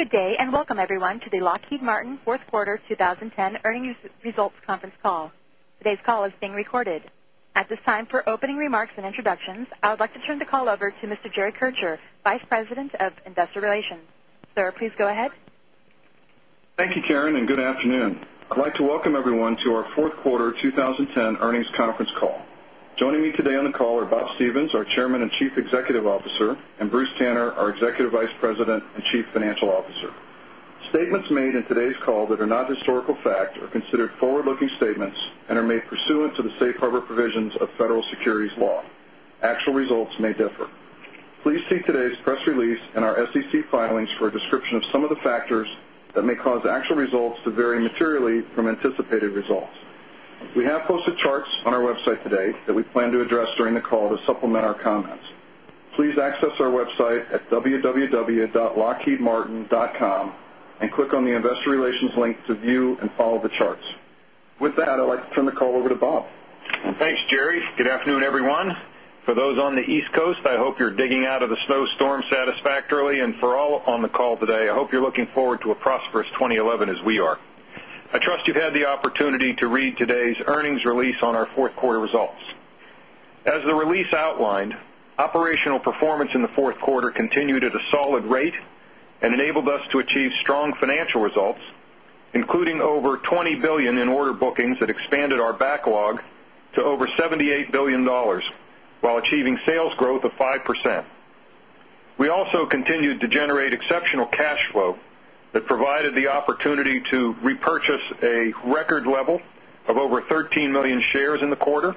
Good day, and welcome everyone to the Lockheed Martin 4th Quarter 20 10 Earnings Results Conference Call. Today's is being recorded. At this time, for opening remarks and introductions, I would like to turn the call over to Mr. Jerry Kircher, Vice President of Investor Relations. Sir, please go ahead. Thank you, Karen, and good afternoon. I'd like to welcome everyone to our Q4 2010 earnings conference call. Joining me today on the call are Bob call is open. These are forward looking statements and are made pursuant to the Safe Harbor provisions of federal securities law. Actual results may differ. Please see today's conference call is being recorded in the press release and our SEC filings for a description of some of the factors that may cause actual results to vary materially from anticipated results. We have posted call is being recorded on our website today that we plan to address during the call to supplement our comments. Please access our website at www.lockheedmartin. Conference call and click on the Investor Relations link to view and follow the charts. With that, I'd like to turn the call over to Bob. Thanks, conference call is being recorded. Our first question comes from the line of John conference call is being recorded. We are seeing over $20,000,000,000 in order bookings that expanded our backlog to over $78,000,000,000 while achieving sales growth of 5%. We also call continues to generate exceptional cash flow that provided the opportunity to repurchase a record level of over 13,000,000 shares in call is being recorded.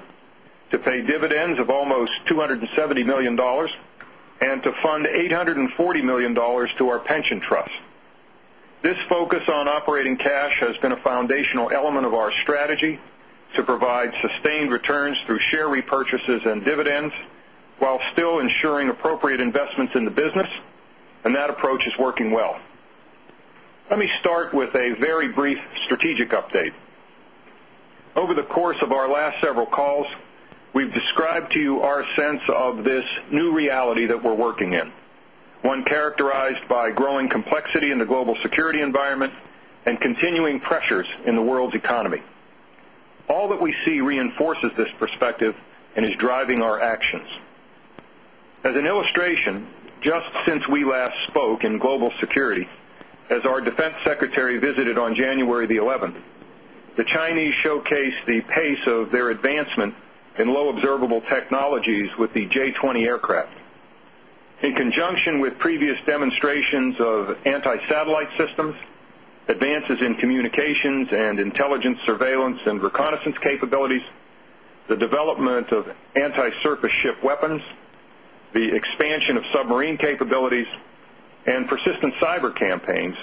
Today's call is being recorded. We are now ready to begin the Q4 to pay dividends of almost $270,000,000 and to fund $840,000,000 to our pension call is open. This focus on operating cash has been a foundational element of our strategy to provide sustained returns through call is being recorded. Thank you, Steve. Thank you, Steve. Thank you, Steve. Thank you, Steve. Thank you, Steve. Thank you, Steve. Thank you, Steve. Thank you, Steve. Thank you, Steve. Thank you, Steve. Thank you, Steve. Thank you, Steve. Thank you, Steve. Thank you, Steve. Thank you, Steve. Thank you, Steve. Thank you, Steve. Good Brief strategic update. Over the course of our last several calls, we've described to you our sense of this conference call is today's conference call. All that we see reinforces this perspective and is driving our actions. As an illustration, just since we last call is open. Welcome to the Q4 of 2019. As our Defense Secretary visited on January 11, the Chinese showcased the pace of their advancement in low observable conference call will be recorded in conjunction with previous demonstrations of anti satellite call is now open. The expansion of submarine capabilities and persistent cyber campaigns,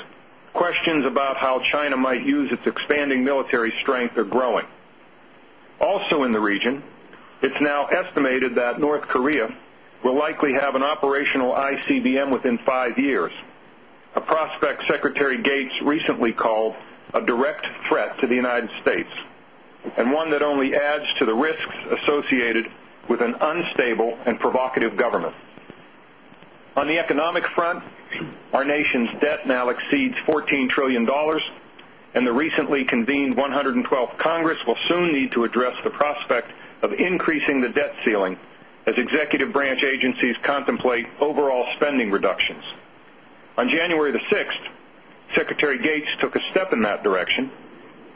questions about how China might use expanding military strength are growing. Also in the region, it's now estimated that North Korea call will likely have an operational ICBM within 5 years, a prospect Secretary Gates recently call is a direct threat to the United States and one that only adds to the risks associated with an unstable and provocative conference call. On the economic front, our nation's debt now exceeds $14,000,000,000,000 and the recently conference call is being recorded. On January 6, Secretary Gates took a step in that direction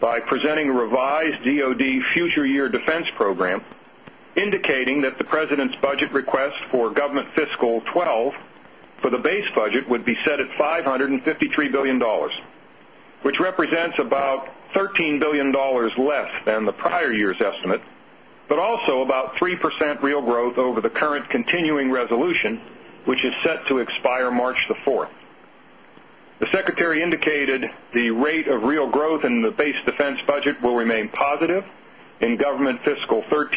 by Presenting a revised DoD future year defense program indicating that the President's budget request for government fiscal 'twelve for the base budget would be call is set at $553,000,000,000 which represents about $13,000,000,000 less than the prior year's call is being recorded, but also about 3% real growth over the current continuing resolution, which is set to expire March 4. The recorded. The conference call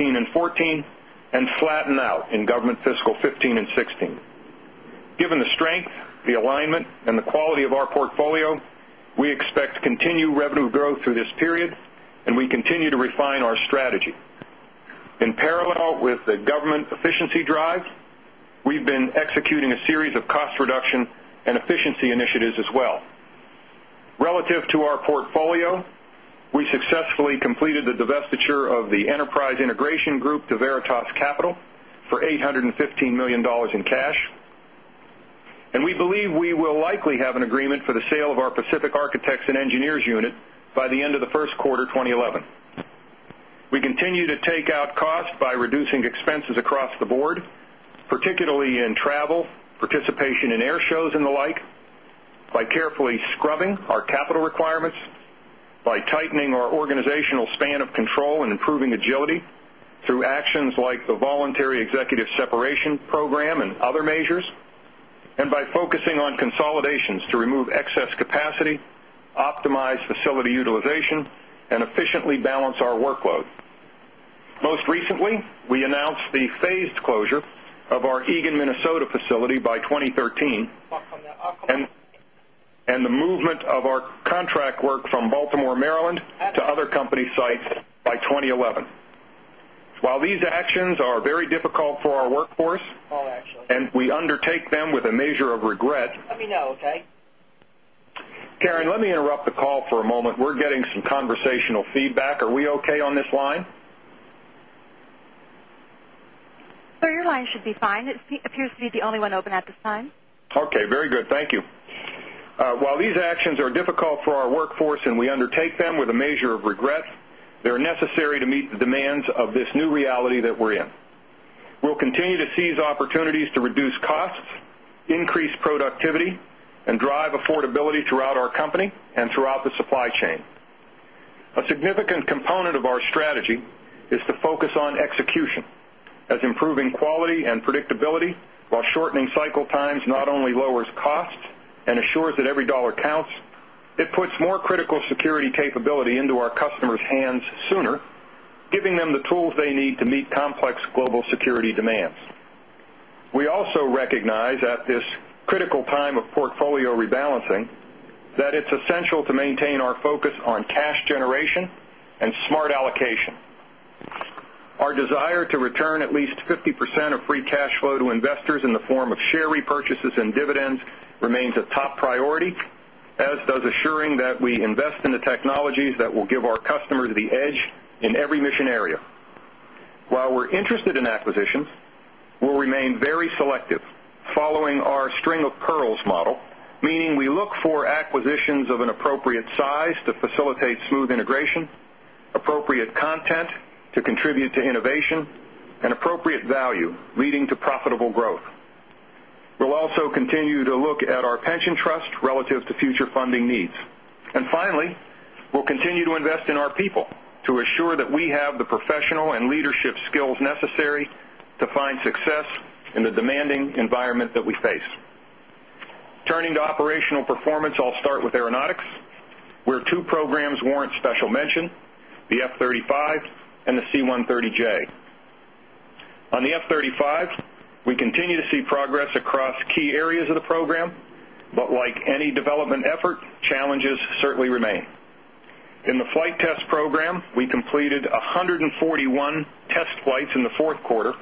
is now open. And flatten out in government fiscal 2015 2016. Given the strength, the alignment and the quality of our portfolio, we expect call is being recorded. We've been executing a series of cost reduction and efficiency initiatives as well. Relative to our call is now open. We successfully completed the divestiture of the Enterprise Integration Group to Veritas Capital for 8 call is now open. We have a question on the call. Hi, good morning, everyone. I'm We continue to take out costs by reducing expenses across the board, particularly in travel, by focusing on consolidations to remove excess capacity, optimize facility utilization and efficiently balance our workload. Most recently, We announced the phased closure of our Eagan, Minnesota facility by 2013 and the movement call will be recorded in the Q4 of 2019. Our first question comes from the line of John conference call actually and we undertake them with a measure of regret. Let me know, okay? Karen, let me call We're getting some conversational feedback. Are we okay on this line? Sir, your line should be fine. It appears to be the only one open at this time. Okay, very good. Thank you. While these actions are difficult for our workforce and we undertake them with a measure of regret, call is being recorded and we are confident that we will continue to execute on our call is to focus on execution as improving quality and predictability, while shortening cycle times not only lowers costs and assures that every dollar counts, call puts more critical security capability into our customers' hands sooner, giving them the tools they need to meet complex call is being made by our focus on cash generation and smart allocation. Our desire to return at least 50% of free cash flow call is that we'll give our customers the edge in every mission area. While we're interested in acquisitions, we'll remain very selective following our conference call is being recorded in the quarter. Our first question comes from the line of John conference call is being recorded. We'll also continue to look at our pension trust relative conference call is open to future funding needs. And finally, we'll continue to invest in our people to assure that we have the professional and leadership skills conference call is being recorded in the demanding environment that we face. Turning to operational performance, I'll comes from the line of Kevin Owens, where 2 programs warrant special mention, the F-thirty 5 and the C-130J. Call is being recorded. On the F-thirty 5, we continue to see progress across key areas of the program, but like any development Certain challenges certainly remain. In the flight test program, we completed 141 test flights in the 4th quarter,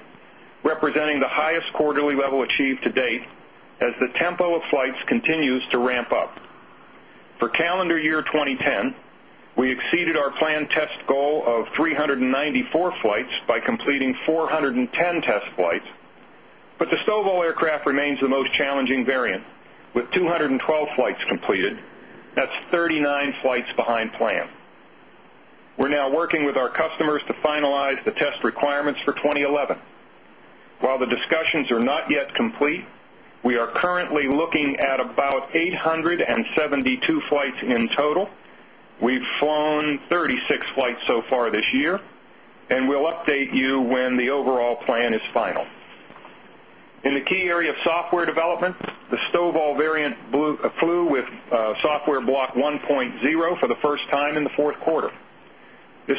Representing the highest quarterly level achieved to date as the tempo of flights continues to ramp up. For calendar year 2010, we exceeded conference call is being recorded. With 212 flights completed, that's 39 flights behind plan. We're We're now working with our customers to finalize the test requirements for 2011. While the discussions are not yet complete, we is open. We are currently looking at about 872 flights in total. We've flown 36 flights so far conference call is open. In the key area of software development, the Stovall variant conference call is being recorded.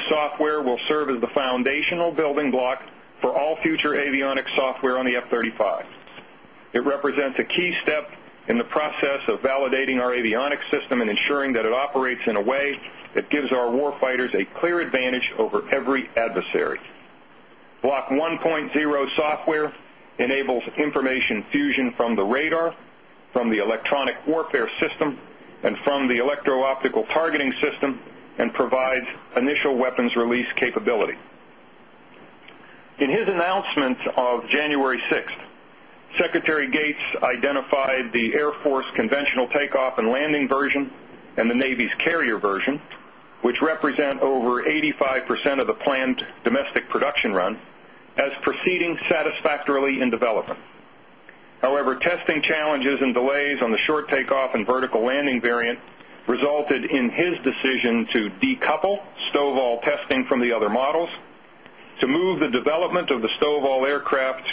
Call is the foundational building block for all future avionics software on the F-thirty 5. It represents a key step in the process of validating our call is being recorded. Avionics system and ensuring that it operates in a way that gives our war fighters a clear advantage over every adversary. Block 1 conference call is being recorded in the press release and provides initial weapons release capability. In his announcement of January 6, Secretary Gates conference call is being recorded. The Air Force conventional takeoff and landing version and the Navy's carrier version, which represent over 85% of the planned domestic call is proceeding satisfactorily in development. However, testing challenges and delays on the short takeoff conference call is now open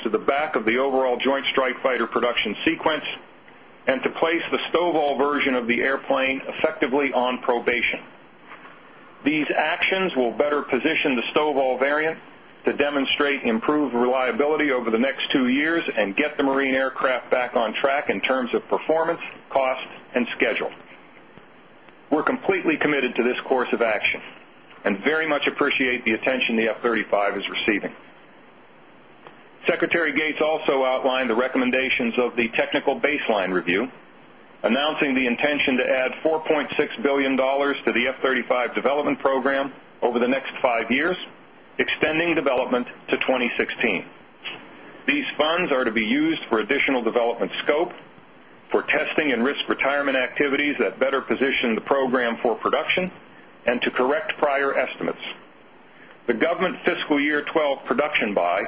to the back of the overall Joint Strike Fighter production sequence and to place the Stovall version of the airplane effectively on probation. These call will better position the Stovall variant to demonstrate improved reliability over the next 2 years and get the marine aircraft back on track in terms of conference call is being recorded. We're completely committed to this course of action and very much appreciate the attention the F-thirty five Secretary Gates also outlined the recommendations of the technical baseline review, announcing the intention to add 4,600,000,000 call is being recorded in dollars to the F-thirty five development program over the next 5 years, extending development to 2016. These call is being recorded. The funds are to be used for additional development scope, for testing and risk retirement activities that better position the program for production and to correct prior estimates. Call is being recorded. The government fiscal year 12 production by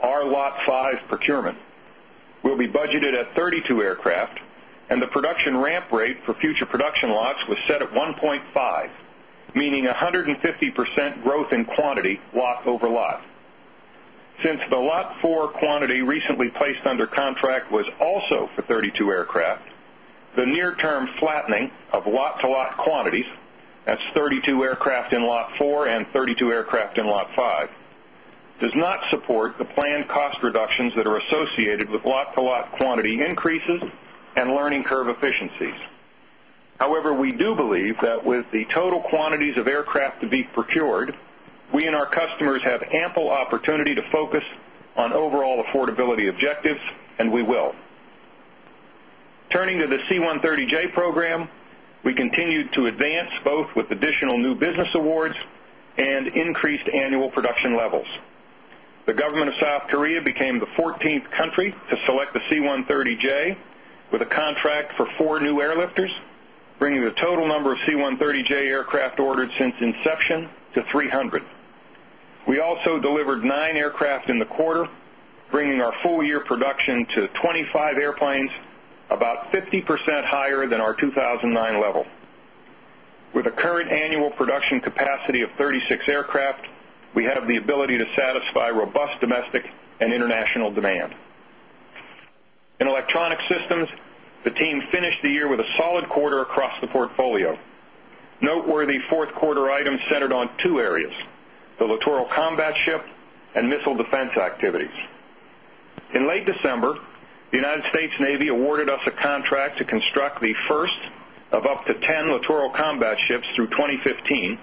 our Lot 5 procurement will be budgeted at 32 aircraft and the production ramp call. Call is Since the Lot 4 quantity recently placed under contract was also for 32 aircraft, the near term flattening of lot However, we do believe that with the total quantities of aircraft to be procured, we and our customers have ample opportunity to focus call is on overall affordability objectives and we will. Turning to the C-one hundred and thirty J program, we continued to advance conference call is now open to the Q4 of 2018, both with additional new business awards and increased annual production levels. The government of South Korea became the 14th country to call is being recorded. We have a number of C-130J aircraft ordered since inception to 3 conference call. We also delivered 9 aircraft in the quarter, bringing our full year production to 25 call is about 50% higher than our 2,009 level. With the current annual production capacity of 36 aircraft, we have the ability to satisfy robust domestic and international demand. In Electronic Systems, the team finished the year with a solid quarter across In late December, the United States Navy awarded us a contract to construct the first of up to 10 Littoral Combat conference call ships through 2015,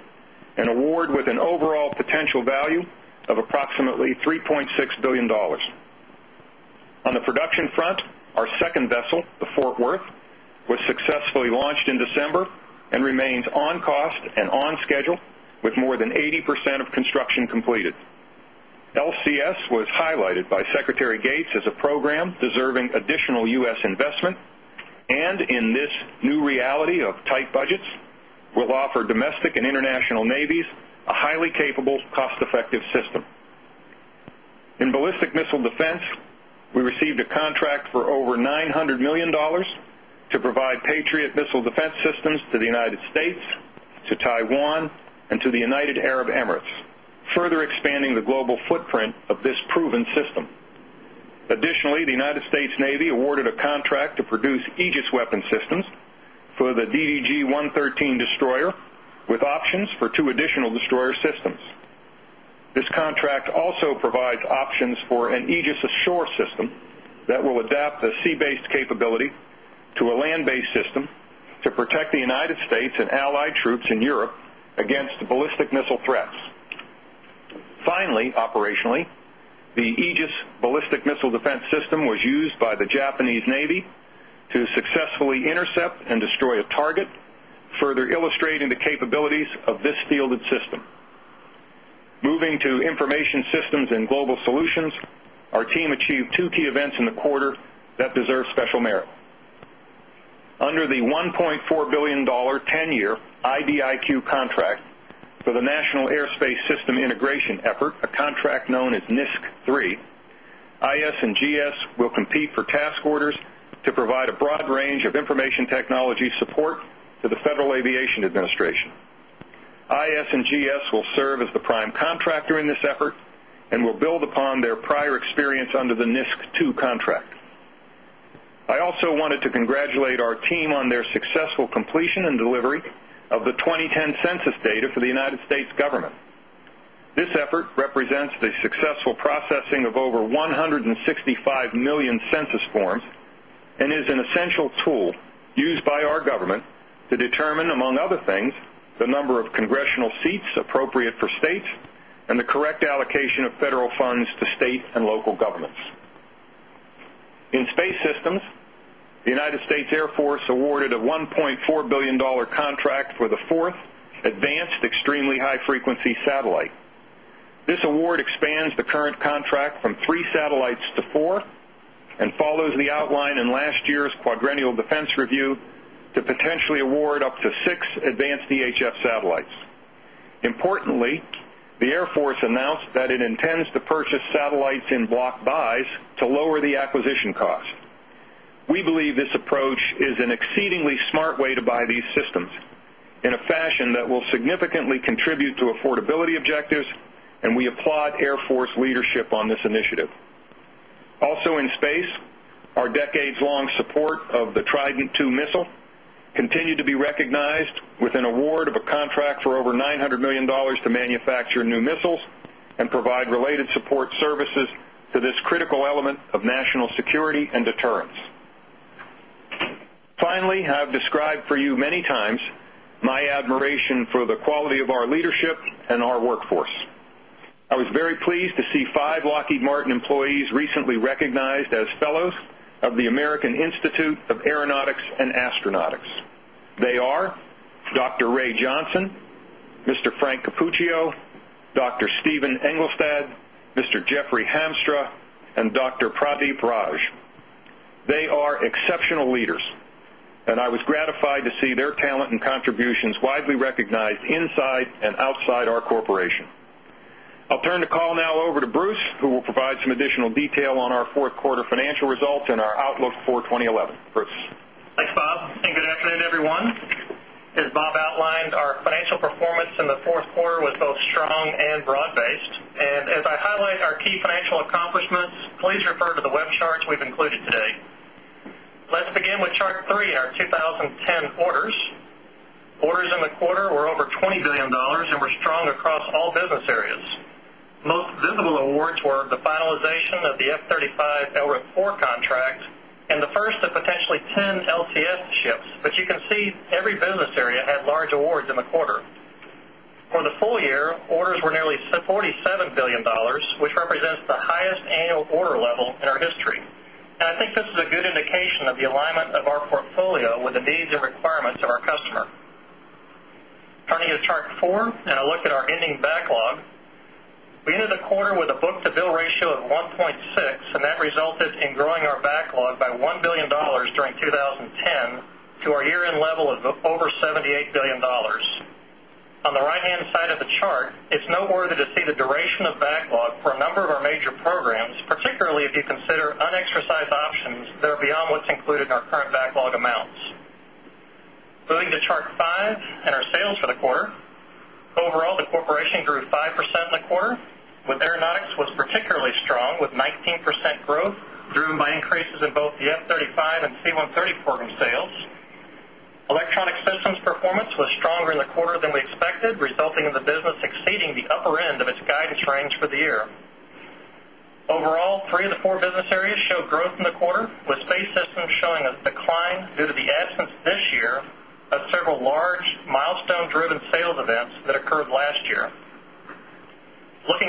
an award with an overall potential value of approximately $3,600,000,000 call is being recorded. On the production front, our second vessel, the Fort Worth was successfully launched in December and remains on cost and on schedule with more than 80% of construction completed, LCS was highlighted by Secretary Gates as a program deserving cost effective system. In Ballistic Missile Defense, we received a contract for over call is being recorded in the Q4 of 2018. We are now ready to begin the Q4 of 2019. We are now ready to begin the Q4 of 2019. We are contract to produce Aegis Weapon Systems for the DDG-one hundred and thirteen destroyer with options for 2 additional call is now open. This contract also provides options for an Aegis Ashore system that will adapt the sea based capability call is being recorded to a land based system to protect the United States and Allied troops in Europe against ballistic missile threats. Finally, operationally, the conference call is being recorded. International Aerospace System Integration Effort, a contract known as NISC III. IS and GS will compete for task orders to provide a broad range available to the Federal Aviation Administration. IS and GS will serve as the prime contractor in this effort and will build upon conference call is being recorded for the NISC II contract. I also wanted to congratulate our team on their successful completion and delivery of the 2010 call is being recorded. This effort represents the successful processing of over 165,000,000 census forms and is an essential tool used by our government to determine among other things the number of congressional seats appropriate for conference call is available on our website and the correct allocation of federal funds to state and local governments. In Space Systems, the United States Air Force conference call is being recorded. Awarded a $1,400,000,000 contract for the 4th advanced extremely high frequency satellite. This award expands the conference call is being recorded. We are now in the call is being recorded for the Q4 2020 10 Earnings Results Conference Call. Today's call is being recorded in the Q4 2020 and Q4 2020. We believe this approach is an exceedingly smart way to buy these systems in a fashion that will conference call will be recorded in the Q4 of 2020. Also in space, our decades long support of the Trident II missile continued to be recognized with an award of a contract for over $900,000,000 to conference. Finally, I've described for you many times my admiration for the quality of our leadership and our workforce. I is very pleased to see 5 Lockheed Martin employees recently recognized as fellows of the American Institute of Aeronautics and Astronautics. Call is being recorded. They are Doctor. Ray Johnson, Mr. Frank Capuccio, Doctor. Stephen Englestad, Mr. Jeffrey Hamstra and Doctor. Pradeep Raj. They are exceptional leaders, and I was gratified to see their talent and contributions widely recognized inside and outside our corporation. I'll turn the call now over to Bruce, who will provide some additional detail on our Q4 financial results and our outlook for 2011. Bruce? Thanks, call is today's call. And as I highlight our key financial accomplishments, please refer to the web charts we've included today. Let's begin with Chart 3, our conference call is open. In the quarter, we're over $20,000,000,000 and were strong across all business areas. Most is open for the Q4. For the full year, orders were nearly $47,000,000,000 which represents the highest annual order level in our history. And I think this is a good indication of the alignment of our portfolio with the needs and requirements of our customer. Turning to Chart 4 conference call is now open. Now look at our ending backlog. We ended the quarter with a book to bill ratio of 1.6 and that resulted in growing our backlog by $1,000,000,000 conference call is now open to our year end level of over $78,000,000,000 On the right hand side of the chart, it's no is in order to see the duration of backlog for a number of our major programs, particularly if you consider unexercised options that are beyond what's included call is now open. Moving to Chart 5 and our sales for the quarter. Overall, the corporation grew 5% conference call is being recorded. The quarter with Aeronautics was particularly strong with 19% growth, driven by increases in both the F-thirty five and C-one hundred and thirty program sales. Electronic Performance was stronger in the quarter than we expected, resulting in the business exceeding the upper end of its guidance range for the year. Overall, 3 call is now open.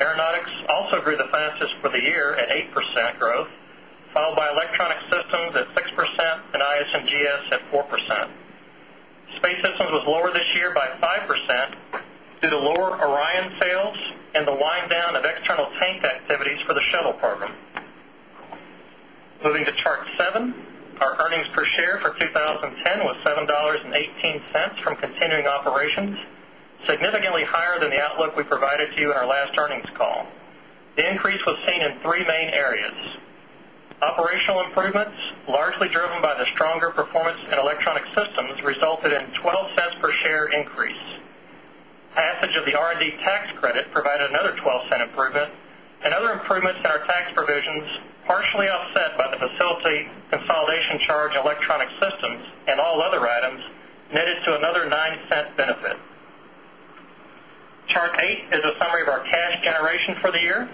Aeronautics also grew the fastest for the year at 8% growth, followed by Electronic Systems at 6% and IS and GS conference call was recorded at 4%. Space Systems was lower this year by 5% due to lower Orion sales and the wind conference call is now open to the Q4 of 2020. Thanks, Jeff. Thanks, Jeff. Thanks, Jeff. Thanks, Jeff. Thanks, Jeff. Thanks, Jeff. Thanks, Jeff. Thanks, Jeff. Thanks, Jeff. Thanks, Jeff. Good morning, Jeff. Good morning, Jeff. Good morning, Jeff. Good morning, Jeff. Good morning, Jeff. Good morning, Jeff. Good morning, everyone. Good morning, Jeff. Good morning, everyone. Good morning, everyone. Good morning, everyone. Call is posted in 3 main areas. Operational improvements, largely driven by the stronger performance in Electronic Systems, conference call has resulted in $0.12 per share increase. Passage of the R and D tax credit provided another $0.12 improvement and other improvements in our tax provisions Partially offset by the facility consolidation charge in electronic systems and all other items netted to another $0.09 benefit. Chart call is a summary of our cash generation for the year.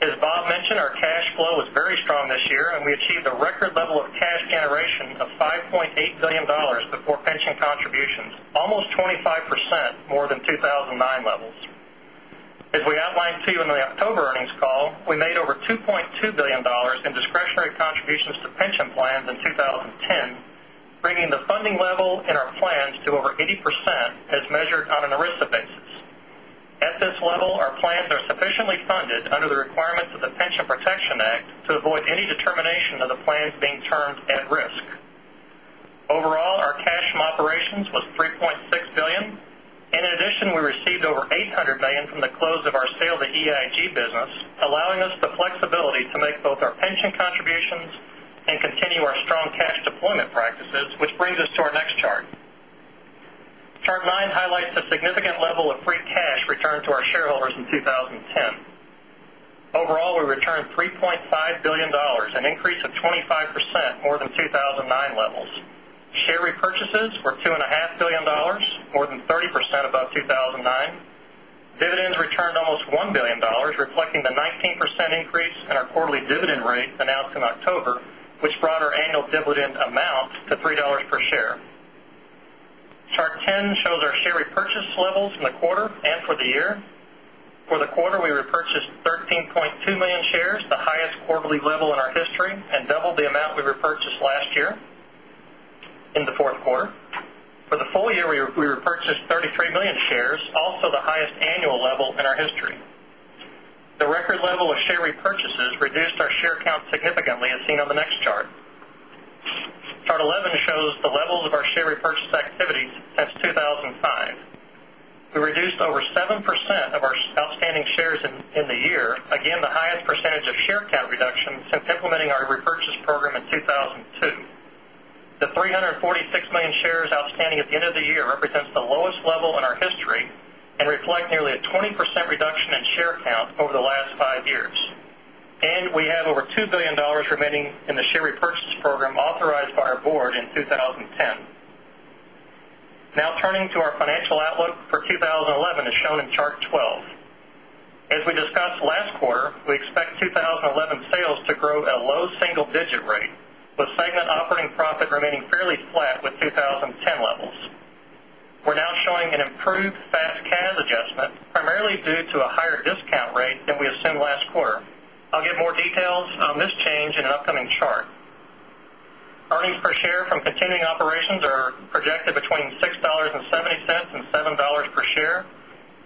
As Bob mentioned, our cash flow was very strong this year and we achieved a record level of cash generation conference call is now open to the presentation of $5,800,000,000 before pension contributions, almost 25% more than 2,009 levels. As we outlined to you in the October call, we made over $2,200,000,000 in discretionary contributions to pension plans in 2010, bringing the funding level in conference call plans to over 80% as measured on an ERISA basis. At this level, our plans are sufficiently funded under the requirements of the Pension Protection conference call is being recorded to avoid any determination of the plans being termed at risk. Overall, our cash from operations was $3,600,000,000 In addition, we conference call is being recorded. We received over $800,000,000 from the close of our sale of the EIG business, allowing us the flexibility to make both our pension contributions and call is being recorded for shareholders in 2010. Overall, we returned $3,500,000,000 an increase of 25% more than 2,009 levels. Share repurchases call is An increase in our quarterly dividend rate announced in October, which brought our annual dividend amount to $3 per share. Chart 10 shows our conference call is being recorded in the Q4. For the full year, we repurchased 33,000,000 shares, also the highest annual level in our history. The call is open. Record level of share repurchases reduced our share count significantly as seen on the next chart. Chart 11 shows the levels of our share repurchase activities since 2000 and conference call is live. We reduced over 7% of our outstanding shares in the year, again the highest percentage of share count reduction conference call is now open to our repurchase program in 2,002. The 346,000,000 shares outstanding at the end of the year call is being recorded for the Q4 of 2019. Now turning to our financial outlook for 2011 as shown conference call is on chart 12. As we discussed last quarter, we expect 20 11 sales to grow at a low single digit rate with segment operating profit remaining conference call is fairly flat with 20 10 levels. We're now showing an improved FAST CAS adjustment, primarily due to a higher discount rate than we assumed conference call is being recorded in the Q4. I'll give more details on this change in an upcoming chart. Earnings per share from continuing operations are call is projected between $6.70 $7 per share,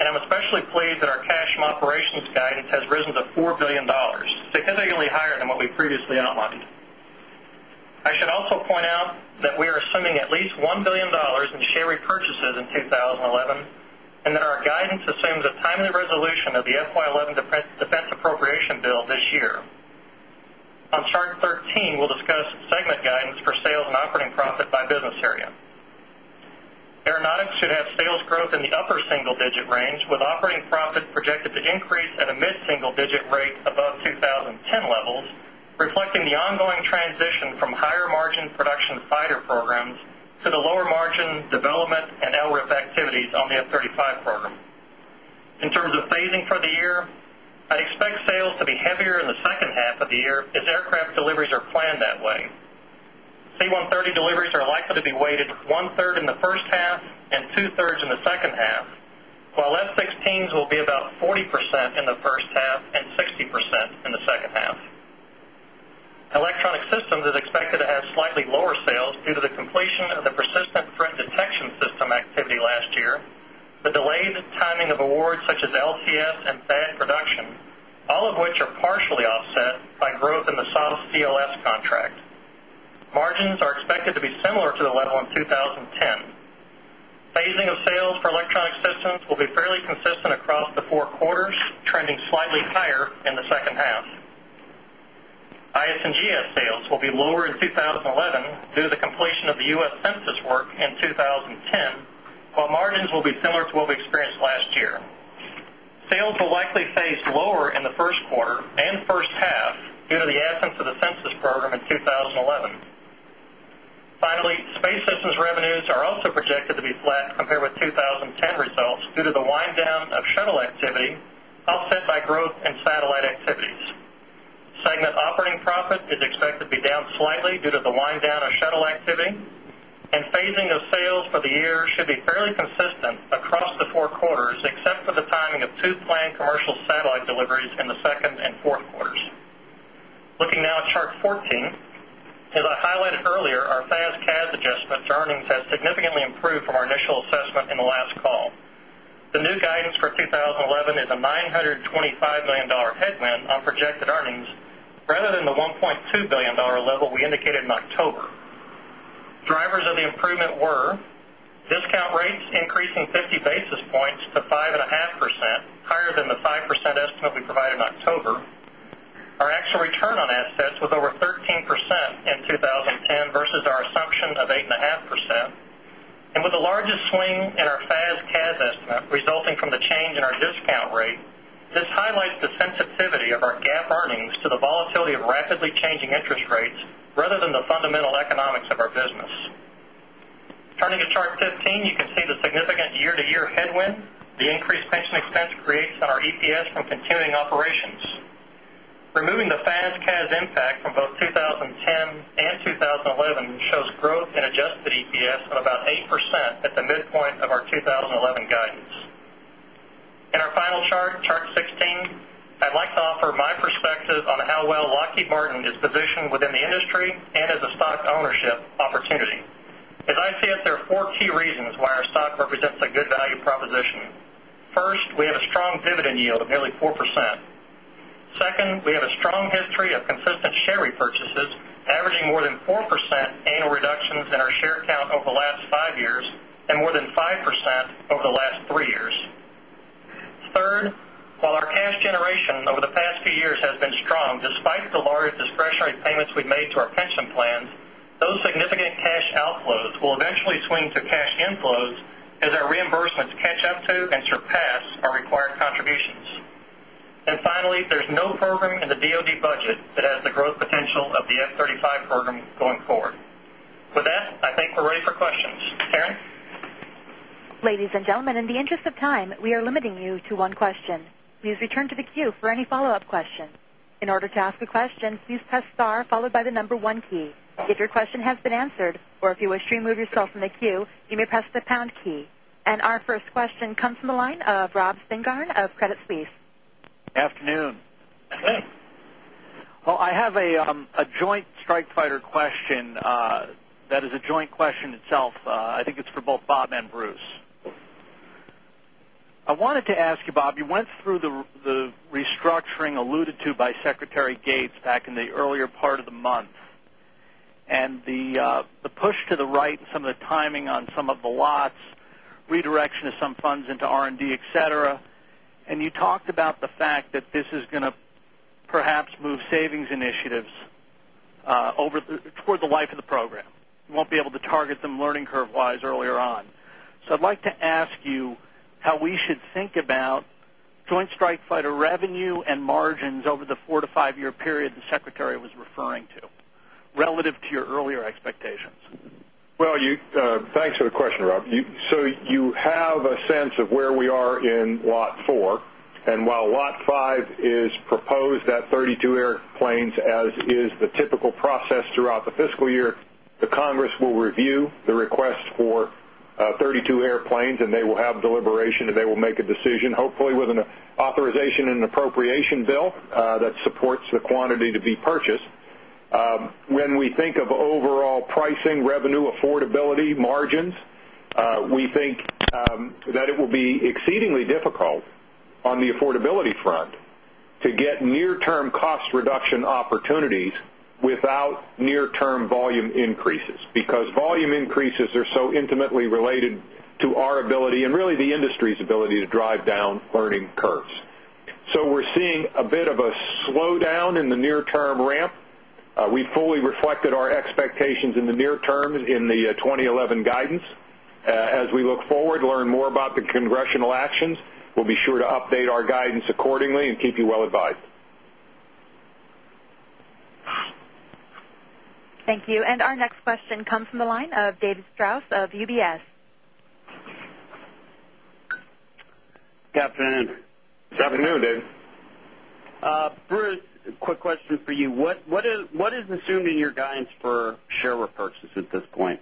and I'm especially pleased that our cash from operations guidance has risen to $4,000,000,000 significantly higher than is being recorded. I should also point out that we are assuming at least $1,000,000,000 in share repurchases in 20 11 and that our conference assumes a timely resolution of the FY 2011 Defense Appropriation Bill this year. On conference call is being recorded. Aeronautics should have sales growth in the upper single digit range with operating call is projected to increase at a mid single digit rate above 20 10 levels, reflecting the ongoing transition from higher margin production fighter programs to the call is now open for more margin, development and LRIP activities on the F-thirty five program. In terms of phasing for the year, I expect sales to be heavier in the second half conference call will be about 40% in the first half and 60% in the second half. Electronic Systems is expected has slightly lower sales due to the completion of the persistent threat detection system activity last year, the delayed timing of awards such as LCS call is expected to be conference call is being recorded in the second half. IS and GS sales will be lower in 2011 due to the completion of the U. S. Census work call is being recorded in 20 10, while margins will be similar to what we experienced last year. Sales will likely face lower in the first quarter and first half call is due to the absence of the census program in 2011. Finally, Space Systems revenues are also projected to be flat compared with 20 10 results due to the wind conference call is being recorded. We are now in the conference call. The new guidance for 2011 is a 9.20 call is a $5,000,000 headwind on projected earnings rather than the $1,200,000,000 level we indicated in October. Drivers of the improvement were: conference call is increasing 50 basis points to 5.5%, higher than the 5% estimate we provided in October. Our actual return on assets was over 13% in call is open. J. Muse:] Resulting from the change in our discount rate, this highlights the sensitivity of our GAAP earnings to the volatility of rapidly changing interest conference call is being recorded rather than the fundamental economics of our business. Turning to Chart 15, you can see the significant year to year headwind the increased pension expense creates on our EPS conference call is from continuing operations. Removing the FASCAS impact from both 20102011 shows growth in call is being recorded. Our next question comes from the line of David. Hi, good morning, everyone. I'm call is on how well Lockheed Martin is positioned within the industry and as a stock ownership opportunity. As I see us, there are four key reasons why our stock represents a good value proposition. 1st, we have a strong dividend yield of nearly 4%. 2nd, we have a strong history of consistent call is being recorded. Our share count over the last 5 years and more than 5% over the last 3 years. 3rd, while our cash generation over the past few years has been strong despite the large discretionary payments we've made to our pension plans, those significant cash call will eventually swing to cash inflows as our reimbursements catch up to and surpass our required contributions. And finally, there's no program in the DoD conference call is being recorded and we are ready for questions. And our first question comes from the line of Rob Cengarn of Credit Suisse. Good afternoon. Good morning. Well, I have a joint Strike Fighter question that conference call is a joint question itself. I think it's for both Bob and Bruce. I wanted to ask you, Bob, you went through the call is going to be a very strong quarter for the life of the program. We won't be able to target them learning curve wise earlier on. So I'd like to ask you how call is Relative to your earlier expectations. Well, you thanks for the question, Rob. So you have a sense of where we are in Lot call is recorded. And while Lot 5 is proposed that 32 airplanes as is the typical process throughout the fiscal year, the Congress will review the conference call is for 32 airplanes and they will have deliberation and they will make a decision hopefully with an authorization and appropriation call? No, that supports the quantity to be purchased. When we think of overall pricing, revenue, affordability, margins, we think Without near term volume increases, because volume increases are so intimately related to our ability and really the industry's ability to call is Drive Down Earnings Curves. So we're seeing a bit of a slowdown in the near term ramp. We call reflected our expectations in the near term in the 2011 guidance. As we look forward to learn more about the comes from the line of David Strauss of UBS. Good day. Bruce, quick question for you. What is assumed in your guidance for share repurchase At this point.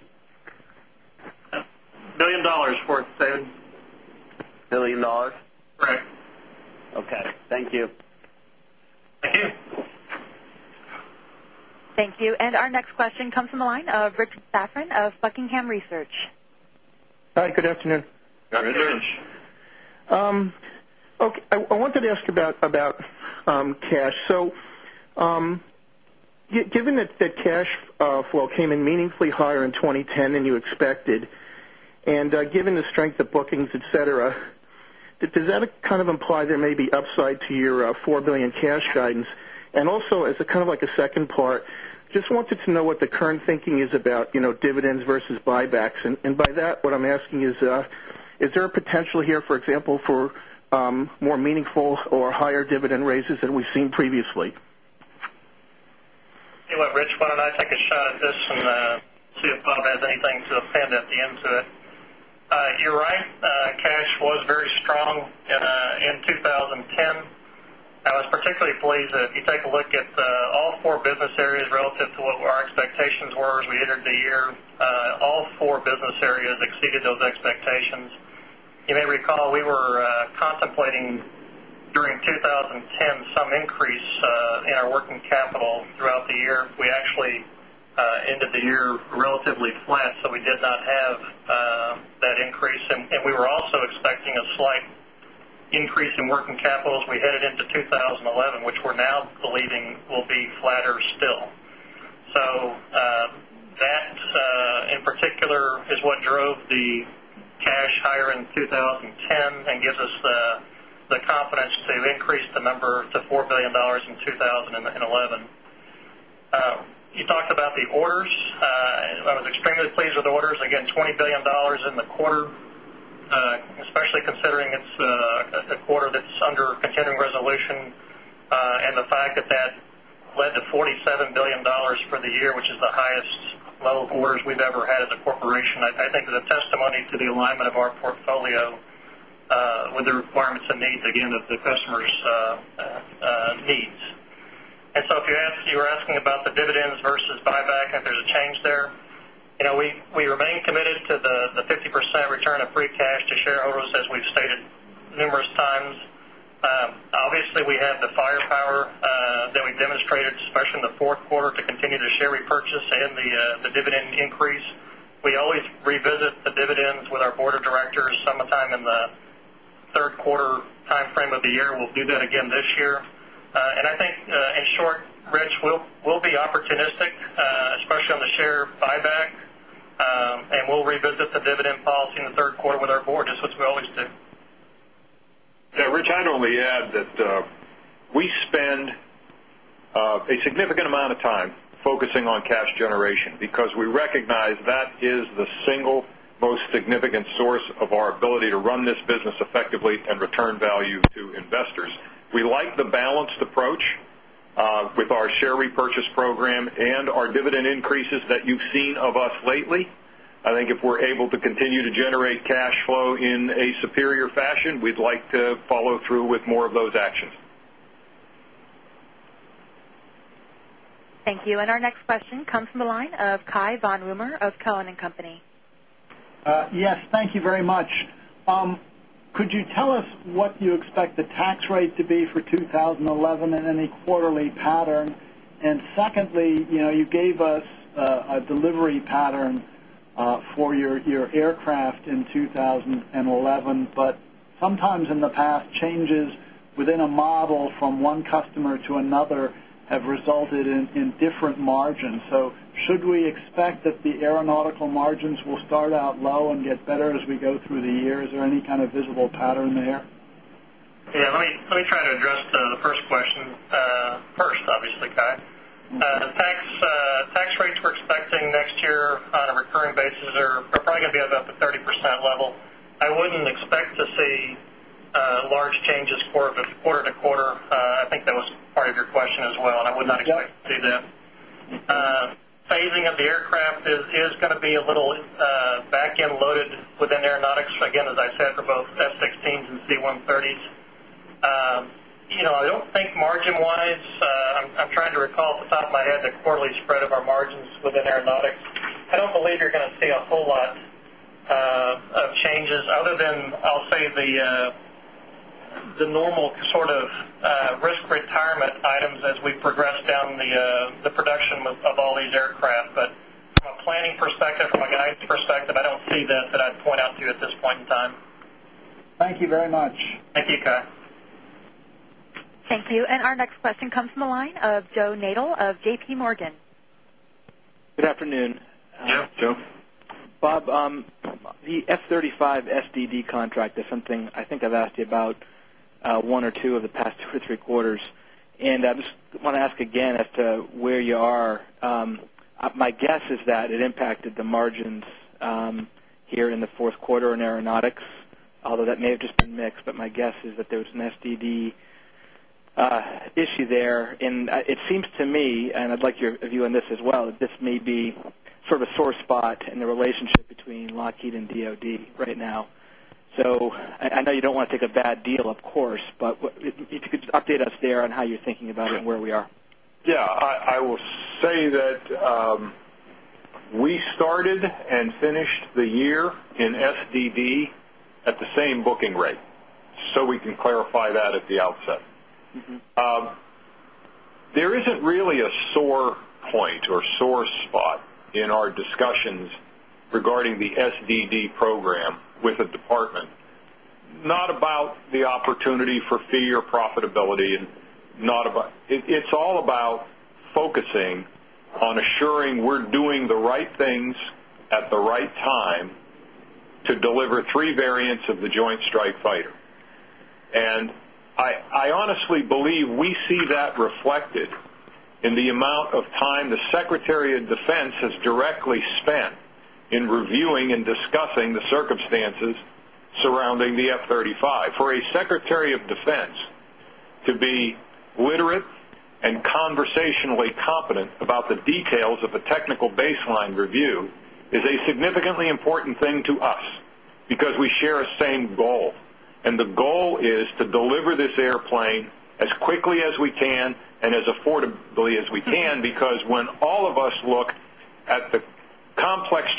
$1,000,000 for it, David. $1,000,000 Correct. Okay. Thank you. Thank Thank you. And our next question comes from the line of Rick Zaffron of Buckingham Research. Hi, Good afternoon. Good afternoon. Good afternoon. Good afternoon. I wanted to ask about cash. So given that Does that kind of imply there may be upside to your $4,000,000,000 cash guidance? And also as a kind of like a second part, just wanted to know what the thinking is about dividends versus buybacks. And by that, what I'm asking is, is there a potential here, for example, for More meaningful or higher dividend raises than we've seen previously. You know what, Rich, why don't I take a shot at this See if Bob has anything to append at the end of it. You're right. Cash was very strong in 2010. I was particularly pleased that if you take a look at all four business areas relative to what our expectations were as we entered the year, all four business areas exceeded You may recall, we were contemplating during 2010 some increase conference call is open. And our working capital throughout the year, we actually ended the year relatively flat, so we did not have that increase. And we were also call is We're expecting a slight increase in working capital as we headed into 2011, which we're now believing will be flatter still. So That in particular is what drove the cash higher in 2010 and gives us the confidence to You increased the number to $4,000,000,000 in 2011. You talked about the orders. I was extremely pleased with the orders. Again, dollars 20,000,000,000 conference call is open. The quarter, especially considering it's a quarter that's under continuing resolution and the fact that, that led to 47 dollars for the year, which is the highest level of orders we've ever had as a corporation, I think, is a testimony to the alignment of our portfolio, with the requirements and needs, And so if you ask you were asking about the dividends versus buyback, if there's a change there, we remain committed conference call is being recorded. The 50% return of free cash to shareholders as we've stated numerous times, obviously, we have the fire conference call is open. That we demonstrated, especially in the 4th quarter, to continue the share repurchase and the dividend increase. We always revisit the dividends with our Board of Directors sometime in the Q3 timeframe of the year. We'll do that again this year. And I think in short, Rich, we'll be Especially on the share buyback and we'll revisit the dividend policy in the Q3 with our Board just as we always do. Yes. Rich, We like the balanced approach with our share repurchase program and our dividend increases that you've seen of us lately. I think if we're able call is We continue to generate cash flow in a superior fashion. We'd like to follow through with more of those actions. Call is open. Thank you. And our next question comes from the line of Cai von Rumohr of Cowen and Company. Yes. Thank you very conference call. Could you tell us what you expect the tax rate to be for 2011 in any quarterly pattern? And secondly, you gave us conference call is a delivery pattern for your aircraft in 2011, but sometimes in the past call is being recorded. Changes within a model from one customer to another have resulted in different margins. So should we expect The aeronautical margins will start out low and get better as we go through the year. Is there any kind of visible pattern there? Yes. Let me try I'll address the first question first obviously Cai. Tax rates we're expecting next year on a recurring basis are probably About the 30% level. I wouldn't expect to see large changes quarter to quarter. I think that was part of your question as well. Call is I would not expect to see that. Phasing of the aircraft is going to be a little back end loaded within conference call. Again, as I said, for both S-16s and C-130s, I don't think margin wise, I'm trying to recall call. I don't believe you're going to see a whole lot of changes other than I'll say The normal sort of risk retirement items as we progress down the production of all these aircraft, From a planning perspective, from a guidance perspective, I don't see that that I'd point out to you at this point in time. Thank you very much. Thank you, call. Thank you. And our next question comes from the line of Joe Nadel of JPMorgan. Good afternoon. Good afternoon. Joe. Bob, the F-thirty five SDD contract is something I think I've asked conference call is available on the call. Here in the Q4 in Aeronautics, although that may have just been mixed, but my guess is that there was an SDD issue there. And It seems to me and I'd like your view on this as well, this may be sort of a sore spot in the relationship between Lockheed and So I know you don't want to take a bad deal of course, but if you could update us there on how you're thinking about it and where we are? Yes. I conference call. We started and finished the year in SDD at the same booking rate. So We can clarify that at the outset. There isn't really a sore point or sore conference call is being recorded. I'm sorry, I missed the spot in our discussions regarding the SDD program with the department, not about the opportunity for fee or call? Profitability, not about it's all about focusing on assuring we're doing the right call is At the right time to deliver 3 variants of the Joint Strike Fighter. And I honestly believe conference call is being recorded in the amount of time the Secretary of Defense has directly spent in reviewing and discussing the circumstances surrounding the conference call is being recorded in the Q4 of 2019. Call is a significantly important thing to us because we share a same goal and the goal is call is to deliver this airplane as quickly as we can and as affordably as we can because when all of us look at the complex in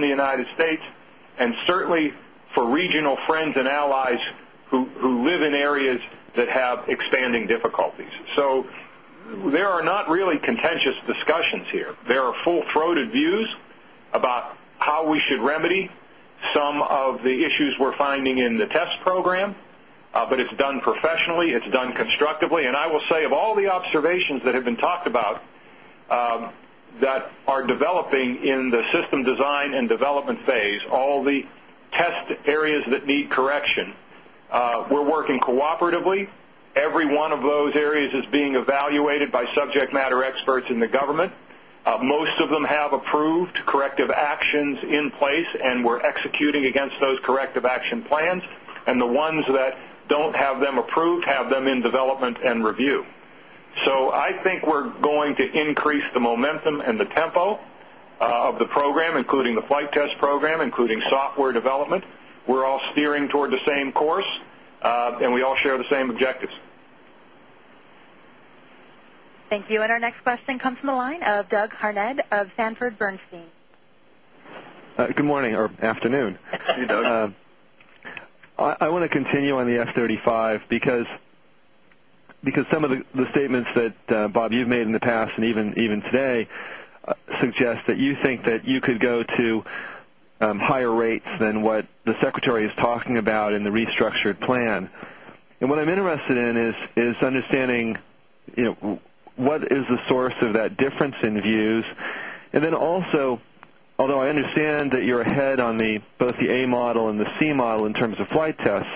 the United States and certainly for regional friends and allies who live in areas that have expanding difficulties. So there are Not really contentious discussions here. There are full throated views about how we should remedy some call is today's call. Of the issues we're finding in the test program, but it's done professionally, it's done constructively. And I will say of all the observations that have been talked about call is open. Every one of those areas is being evaluated by subject matter experts in the government. Most of them have approved corrective them in development and review. So I think we're going to increase the momentum and the tempo call is Of the program, including the flight test program, including software development, we're all steering toward the same course and we All share the same objectives. Thank you. And our next question comes from the line of Doug Harned of Sanford Bernstein. Good morning or afternoon. I want to continue on the F-thirty five Because some of the statements that Bob you've made in the past and even today suggest that you think that you could go to Higher rates than what the secretary is talking about in the restructured plan. And what I'm interested in is understanding what is the Source of that difference in views. And then also, although I understand that you're ahead on the both the A model and the C model in terms of flight tests,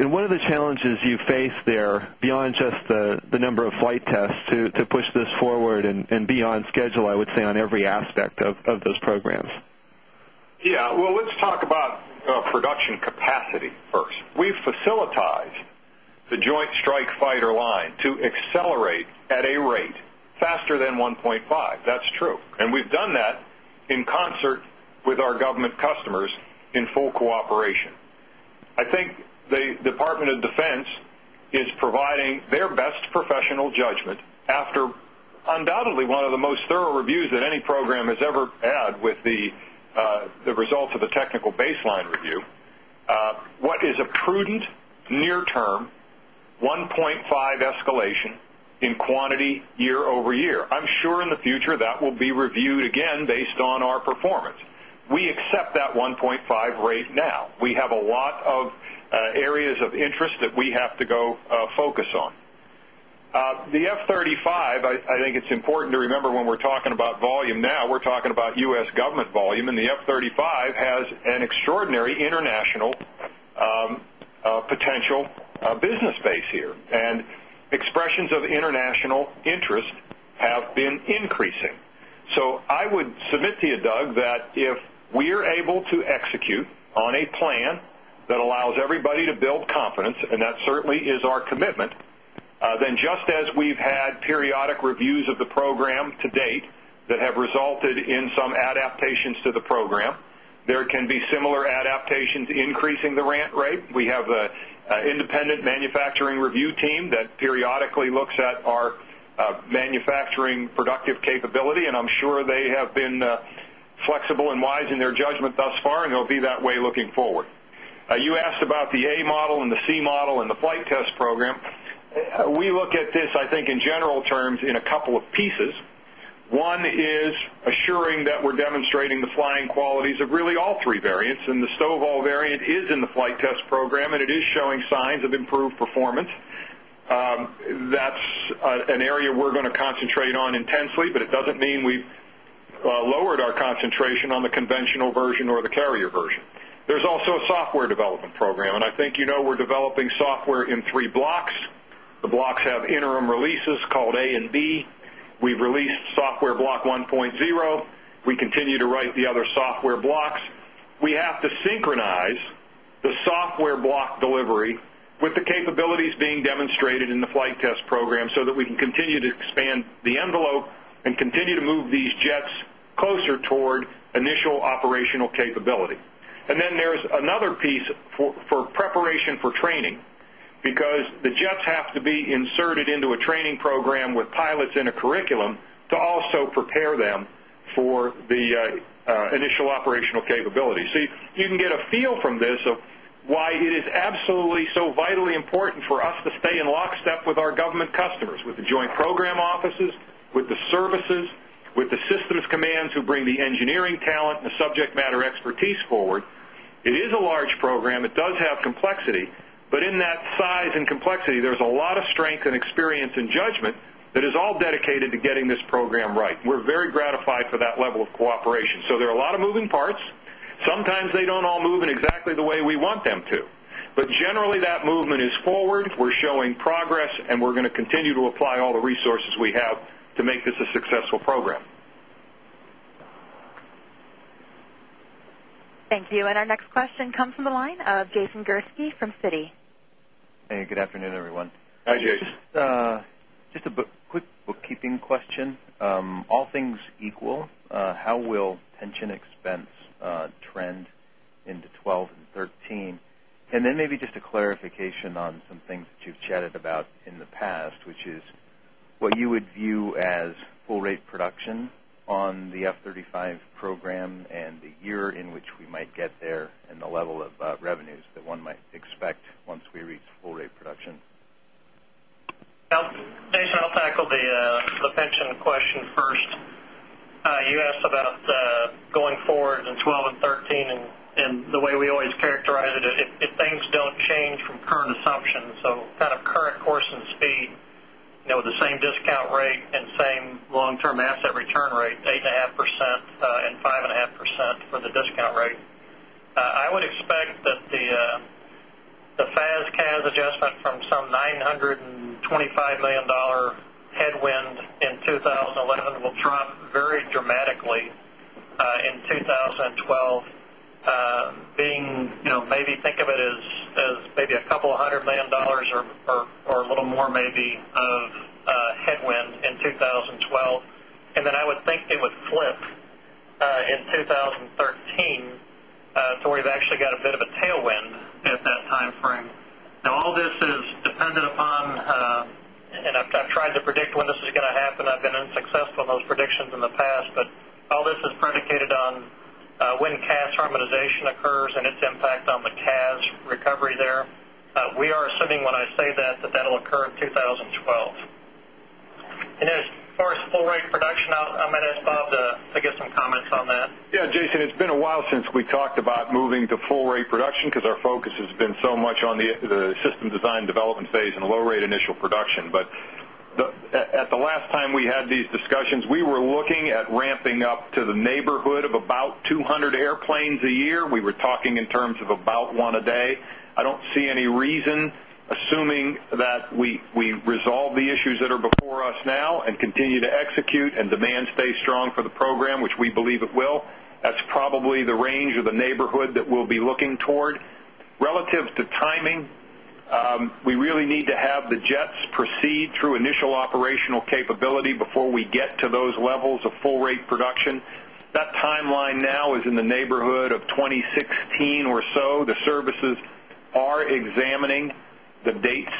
And what are the challenges you face there beyond just the number of flight tests to push this forward and beyond schedule, I would Yes. Well, let's talk about production capacity first. We've call is to accelerate at a rate faster than 1.5. That's true. And we've done that in concert with our government customers call is being recorded. I think the Department of Defense is providing their best professional judgment after call is a prudent near term 1.5 escalation in call is being recorded. I'm sure in the future that will be reviewed again based on our performance. We accept that 1.5 rate call is Now we have a lot of areas of interest that we have to go focus on. The F-thirty five, I I think it's important to remember when we're talking about volume now, we're talking about U. S. Government volume and the F-thirty five has an extraordinary international conference call. And expressions of international interest have been increasing. So I would submit to you Doug call If we are able to execute on a plan that allows everybody to build confidence and that certainly is call is our commitment. Then just as we've had periodic reviews of the program to date that have resulted in some adaptations conference call is available to the program. There can be similar adaptations increasing the ramp rate. We have an independent manufacturing review call is a team that periodically looks at our manufacturing productive capability, and I'm sure they have been flexible and wise in their judgment thus far, call. It will be that way looking forward. You asked about the A model and the C model and the flight test program. We look at this I think in general terms in call is available. J. Rice:] The COVOL variant is in the flight test program and it is showing signs of improved performance. That's an area we're going Software Development Program. And I think you know we're developing software in 3 blocks. The blocks have interim releases called A and B. Conference call is being recorded. We've released software block 1.0. We continue to write the other software blocks. We have to synchronize the software block delivery conference call is being recorded with the capabilities being demonstrated in the flight test program so that we can continue to expand the envelope and continue to move these jets closer toward initial operational capability. And then there is another piece for preparation for training call is today's call. Because the jets have to be inserted into a training program with pilots in a curriculum to also prepare them for the initial operational our government customers with the joint program offices, with the services, with the systems commands who bring the engineering talent call is subject matter expertise forward. It is a large program. It does have complexity. But in that size and complexity, call is There's a lot of strength and experience and judgment that is all dedicated to getting this program right. We're very gratified for that level of cooperation. Conference call. So there are a lot of moving parts. Sometimes they don't all move in exactly the way we want them to. But generally, that movement is forward. We're showing call. Progress and we're going to continue to apply all the resources we have to make this a successful program. Thank you. And our next question comes from the line of Jason Gerske from Citi. Hey, good afternoon, everyone. Hi, Jason. Just a quick bookkeeping question. All things equal, how will pension expense call is open. And then maybe just a clarification on some things that you've chatted about in the past, which is conference call. So kind of current course and speed, with the same discount rate and same long term asset return rate, 8.5 conference call. And 5.5 percent for the discount rate. I would expect that the FASCAS call is Adjustment from some $925,000,000 headwind in 2011 will drop very dramatically conference call. In 2012, being maybe think of it as maybe a couple of $100,000,000 conference call Or a little more maybe of headwind in 2012. And then I would think it would flip call is In 2013, so we've actually got a bit of a tailwind at that time frame. Now all this is dependent upon conference And I've tried to predict when this is going to happen. I've been unsuccessful in those predictions in the past. But all this is predicated on when CAS harmonization occurs and its impact on the CAS recovery there. We are assuming when I say that, that, that will occur in 2012. And as far as full rate production, I'm going to ask Bob to give some comments on that. Yes. Jason, it's been a while since we talked about moving to full rate production because our focus conference call. There's been so much on the system design development phase and low rate initial production. But at the last time we had these discussions, we were looking at ramping To the neighborhood of about 200 airplanes a year, we were talking in terms of about 1 a day. I don't see any reason Assuming that we resolve the issues that are before us now and continue to execute and demand stays strong for the program, which we call. That's probably the range of the neighborhood that we'll be looking toward. Relative to timing, call We really need to have the jets proceed through initial operational capability before we get to those levels of full rate Production, that time line now is in the neighborhood of 2016 or so. The services are examining the dates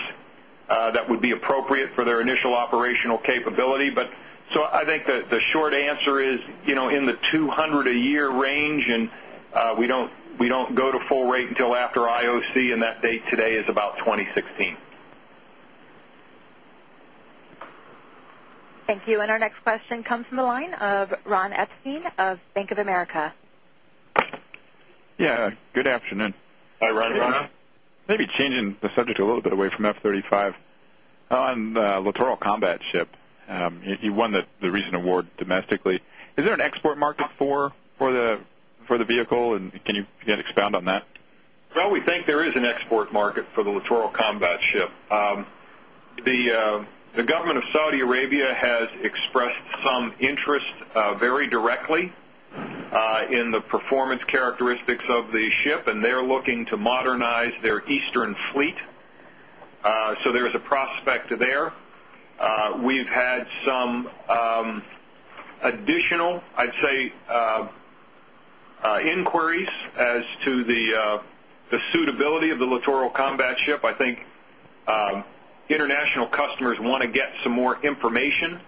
that Would be appropriate for their initial operational capability. But so I think the short answer is in the 200 a year range We don't go to full rate until after IOC and that date today is about 2016. Call is open. Thank you. And our next question comes from the line of Ron Epstein of Bank of America. Yes. Good afternoon. Hi, Ron. Maybe changing the subject a little bit away from F-thirty 5. On Littoral Combat Ship. You won the recent award domestically. Is there an export market for the vehicle? And can you again conference call. Well, we think there is an export market for the Littoral Combat Ship. The government of Saudi Arabia call is open. I'd say inquiries as to the suitability of the Littoral Combat Ship. I think call is open. International customers want to get some more information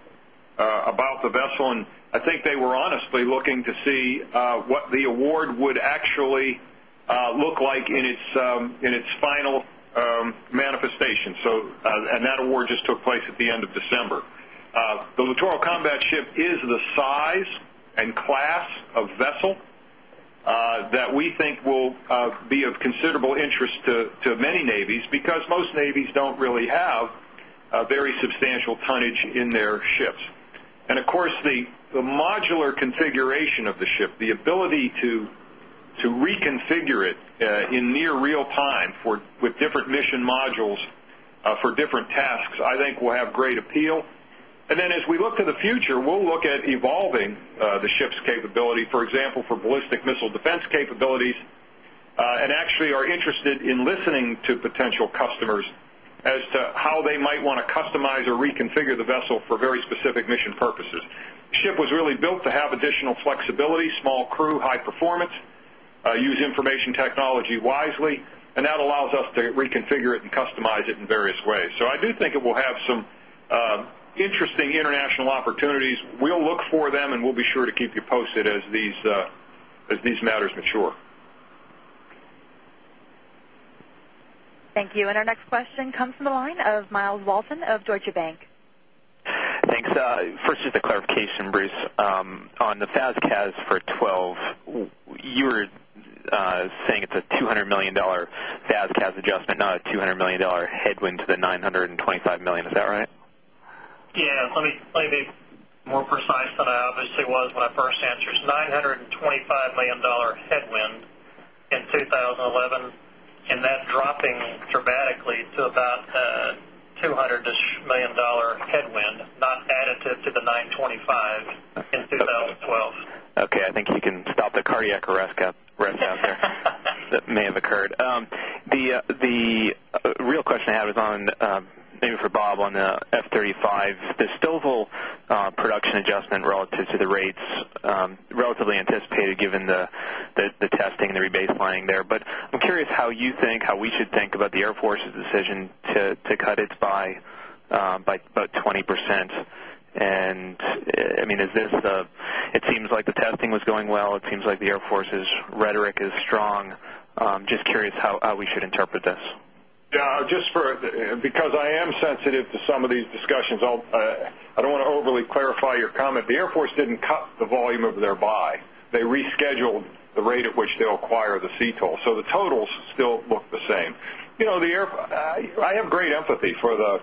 about the vessel and I think they were honestly looking to see What the award would actually look like in its final manifestation. So and that award just At the end of December. The Littoral Combat Ship is the size and class of vessel that we think will call will be of considerable interest to many navies because most navies don't really have a very substantial tonnage in their ships. And of course, the The modular configuration of the ship, the ability to reconfigure it in near real time for with different mission modules for For different tasks, I think, will have great appeal. And then as we look to the future, we'll look at evolving the ship's capability, for example, for call is And that allows us to reconfigure it and customize it in various ways. So I do think it will have some Thank you. And our next question comes from the line of Myles Walton of Deutsche Bank. Thanks. First, just a clarification, Bruce. On the FASCAS for 12, you were saying it's a 200 call. $1,000,000 FASCAS adjustment, not a $200,000,000 headwind to the $925,000,000 is that right? Yes. Let me be more precise than I obviously was when I conference call. $925,000,000 headwind in 2011 and that's dropping dramatically to about 2 call. $200 ish million headwind not additive to the $925,000,000 in 2012. Okay. I think you can stop the cardiac arrest out there conference call may have occurred. The real question I have is on maybe for Bob on the conference call. The Stouffville production adjustment relative to the rates, relatively anticipated given the testing and the rebaselining there. But I'm How you think, how we should think about the Air Force's decision to cut it by about 20%. And I mean is It seems like the testing was going well. It seems like the Air Force's rhetoric is strong. Just curious how we should interpret this? Yes. Just for because I am sensitive to some of these discussions, I don't want to overly clarify your comment. The Air Force didn't cut the volume of their buy. They rescheduled the rate at which they'll acquire the CTOLL. So the totals still look the Same. I have great empathy for the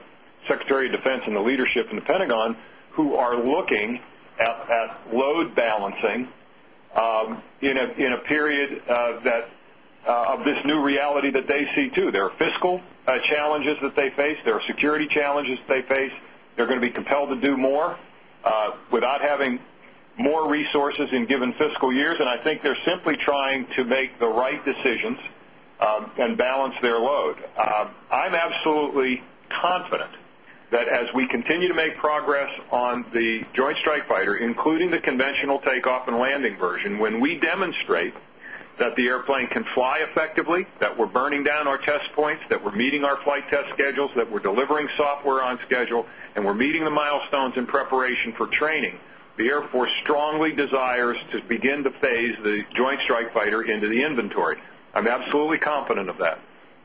Secretary of Defense and the leadership in the Pentagon who are looking are security challenges they face. They're going to be compelled to do more without having more resources in given fiscal years. I think they're simply trying to make the right decisions and balance their load. I'm absolutely confident that As we continue to make progress on the Joint Strike Fighter, including the conventional takeoff and landing version, when we demonstrate that the airplane conference call is being recorded. We're conference call is being recorded. Thank you for training. The Air Force strongly desires to begin to phase the Joint Strike Fighter into the inventory. I'm absolutely confident of that.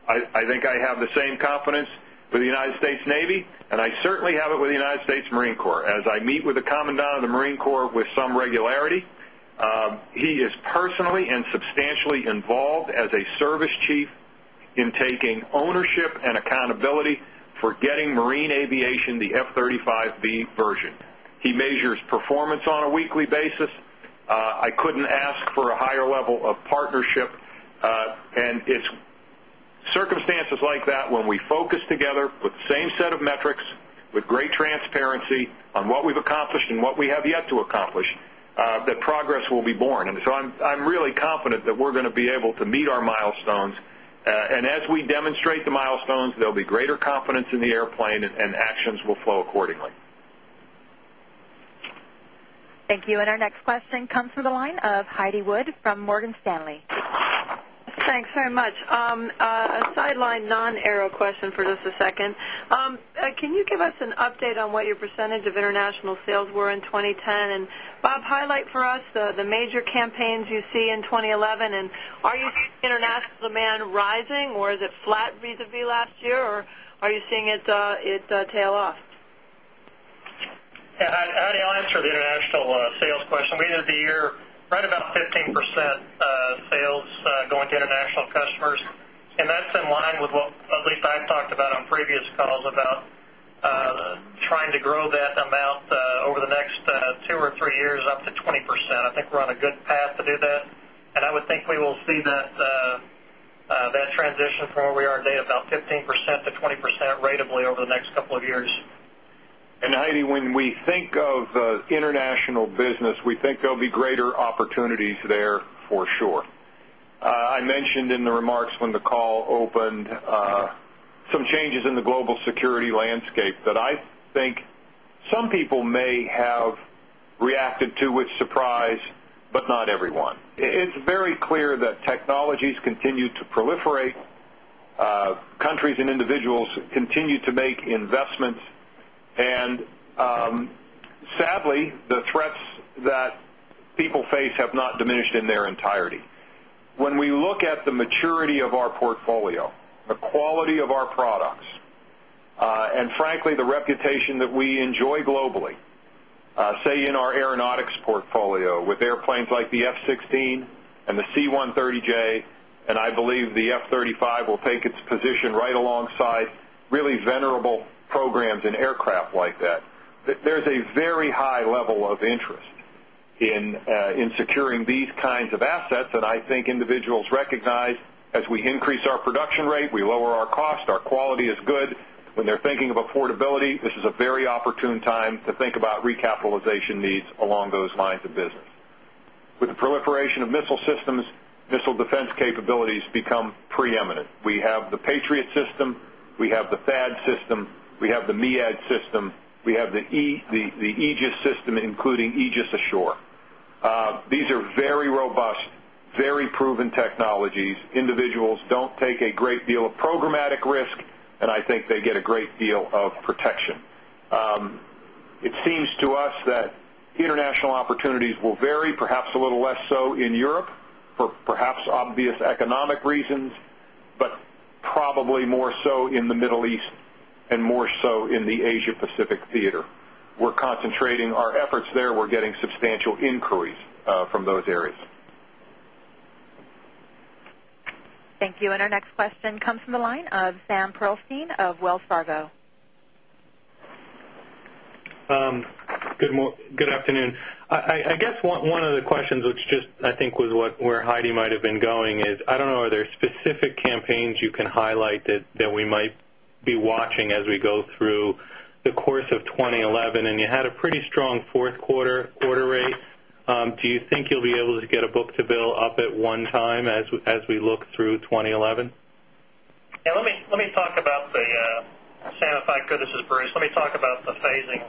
I think I have the same confidence for the United States Navy and I certainly have it with the United States Marine Corps. As I the Service Chief in taking ownership and accountability for getting marine aviation, the F-thirty five He measures performance on a weekly basis. I couldn't ask for a higher level of partnership. Call And it's circumstances like that when we focus together with the same set of metrics with great transparency on What we've accomplished and what we have yet to accomplish, the progress will be borne. And so I'm really confident that we're going to be able to meet our milestones. And as we Can you give us an update on what your percentage of international sales were in 2010? And Bob highlight for us the major campaigns you see in 2011 and are you seeing international demand rising or is it flat visavislast year or are you seeing call is a tail off. Yes. Heidi, I'll answer the international sales question. We ended the year right about 15% sales going to international customers. And that's in line with what at least I've talked about on previous calls about trying to grow call. I know that amount over the next 2 or 3 years up to 20%. I think we're on a good path to do that. And I would think we will see that conference call is open. The transition from where we are today about 15% to 20% ratably over the next couple of years. And Heidi, when we think of conference call is open. We think there will be greater opportunities there for sure. I mentioned in the remarks when the call opened conference call is Some changes in the global security landscape that I think some people may have reacted to which surprised, but Not everyone. It's very clear that technologies continue to proliferate, countries and individuals conference call continues to make investments. And sadly, the threats that people face have not diminished in their call Frankly, the reputation that we enjoy globally, say, in our aeronautics portfolio with airplanes like the F-sixteen and the C-130J, conference call. There's a very high level of interest in securing these kinds of assets. And I think individuals recognize as we increase the Patriot system, we have the THAAD system, we have the Meead system, we have the Aegis system, including Aegis Ashore. These are Very robust, very proven technologies. Individuals don't take a great deal of programmatic risk and I think they get a great deal of protection. Question comes from the line of Sam Pearlstein of Wells Fargo. Good afternoon. I guess conference call. Just one of the questions, which just I think was what where Heidi might have been going is, I don't know, are there specific campaigns you can highlight That we might be watching as we go through the course of 2011 and you had a pretty strong 4th quarter Do you think you'll be able to get a book to bill up at one time as we look through 2011? Yes. Let me call Sam, if I could, this is Bruce. Let me talk about the phasing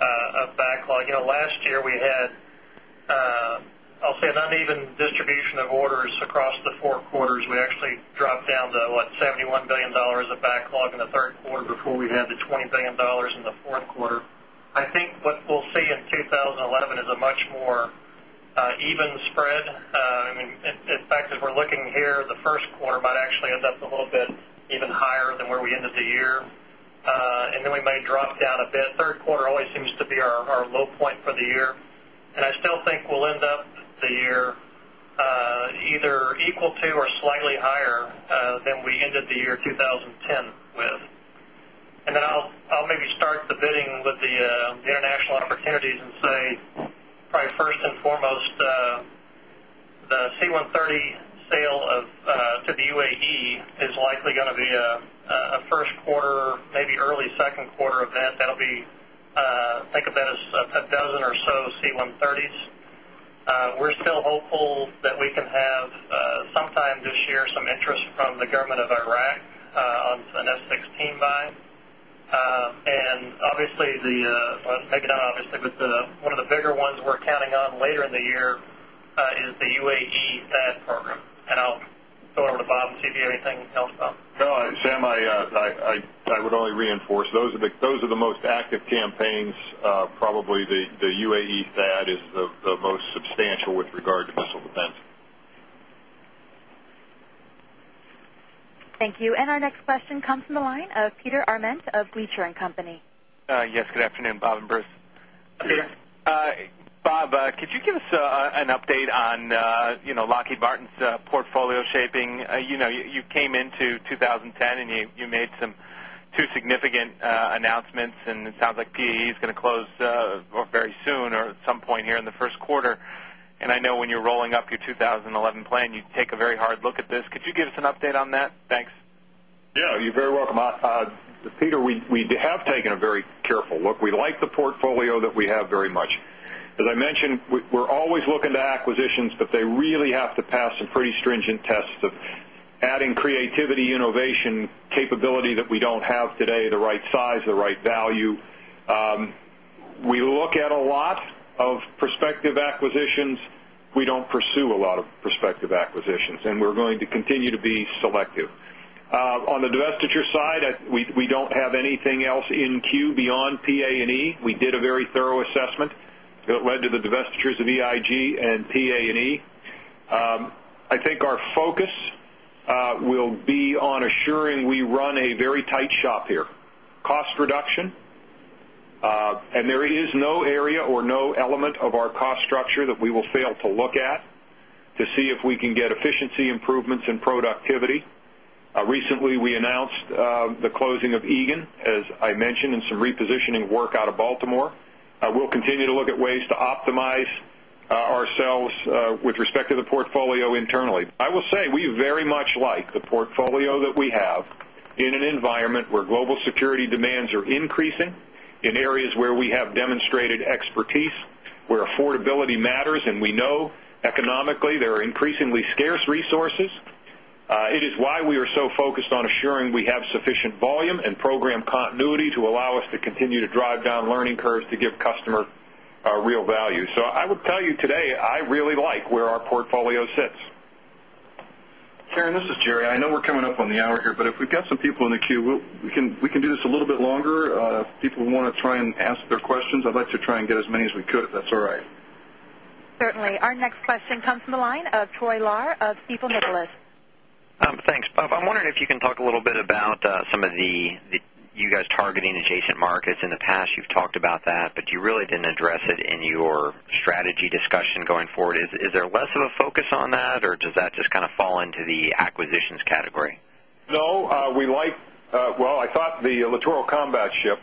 of backlog. Last year, we had, I'll say, conference call. The uneven distribution of orders across the 4th quarters, we actually dropped down to what $71,000,000,000 of backlog in the 3rd quarter before we had the 20,000,000,000 call is I think what we'll see in 2011 is a much more even spread. I mean, in fact, as we're looking here, the first quarter call Actually ends up a little bit even higher than where we ended the year. And then we may drop down a bit. 3rd quarter always seems to be our call is a good point for the year. And I still think we'll end up the year either equal to or slightly higher than we ended the year conference call is open. And then I'll maybe start the bidding with the international opportunities and say probably 1st and foremost, the C-one hundred and thirty sale of to the UAE is likely going to be a quarter, maybe early Q2 event, that will be, I think about as a dozen or so C-130s. We're still call is being recorded. We're hopeful that we can have sometime this year some interest from the government of Iraq on an F-sixteen buy. And obviously, the I'll take it on, obviously, but one of the bigger ones we're counting on later in the year is call is The UAE THAAD program. And I'll go over to Bob and see if you have anything else, Bob. No. Sam, I would only reinforce those are the active campaigns, probably the UAE THAAD is the most substantial with regard to missile defense. Thank you. And our next question comes from the line of Peter Arment of Bleacher and Company. Yes. Good afternoon, Bob and Bruce. Hi, Peter. Bob, Could you give us an update on Lockheed Martin's portfolio shaping? You came into 20 10 and you made some 2 significant And announcements and it sounds like PEE is going to close very soon or at some point here in Q1. And I know when you're rolling up your 2011 plan, you take a very hard conference call. Yes, you're very welcome. Peter, we have taken a very careful look. Recorded. We like the portfolio that we have very much. As I mentioned, we're always looking to acquisitions, but they really have to pass some pretty stringent Adding creativity, innovation capability that we don't have today, the right size, the right value, call is We look at a lot of prospective acquisitions. We don't pursue a lot of prospective acquisitions and we're going to continue to be call is on assuring we run a very tight shop here, cost reduction, and there is no area or no element of our call. Cost structure that we will fail to look at to see if we can get efficiency improvements in productivity. Recently, we announced call With respect to the portfolio internally, I will say we very much like the portfolio that we have in an environment where global security demands are increasing conference call is being recorded in areas where we have demonstrated expertise, where affordability matters and we know economically there are increasingly scarce is open. It is why we are so focused on assuring we have sufficient volume and program continuity to allow us to continue To drive down learning curves to give customer real value. So I would tell you today, I really like where our portfolio sits. Karen, this is Jerry. I know we're call is Coming up on the hour here, but if we've got some people in the queue, we can do this a little bit longer. If people want to try and ask their questions, I'd like to try I'll get as many as we could, if that's all right. Certainly. Our next question comes from the line of Troy Larr of Stifel Nicolaus. Thanks. Bob, I'm wondering If you can talk a little bit about some of the you guys targeting adjacent markets in the past, you've talked about that, but you really didn't address it in your call is going to be a strong quarter for strategy discussion going forward. Is there less of a focus on that? Or does that just kind of fall into the acquisitions category? No. We like well, I thought call is The Littoral Combat Ship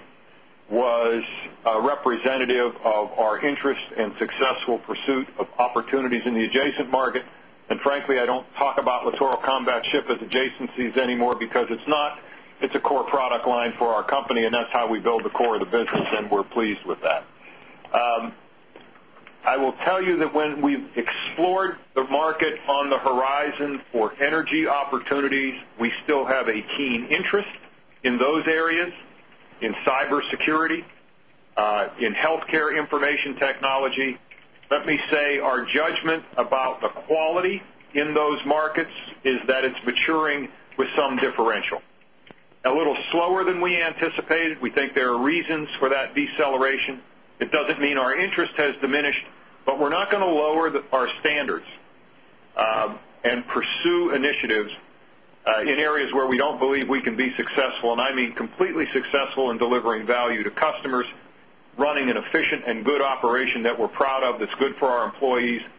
was representative of our interest and successful pursuit of opportunities in the And frankly, I don't talk about Littoral Combat Ship as adjacencies anymore because it's not it's a core product line for our conference call is maturing with some differential, a little slower than we anticipated. We think there are reasons for that deceleration. It doesn't mean our interest has diminished, but We're not going to lower our standards and pursue initiatives in areas where we don't call is open. We believe we can be successful and I mean completely successful in delivering value to customers, running an efficient and good operation that we're proud of, that's good for our employees call is call is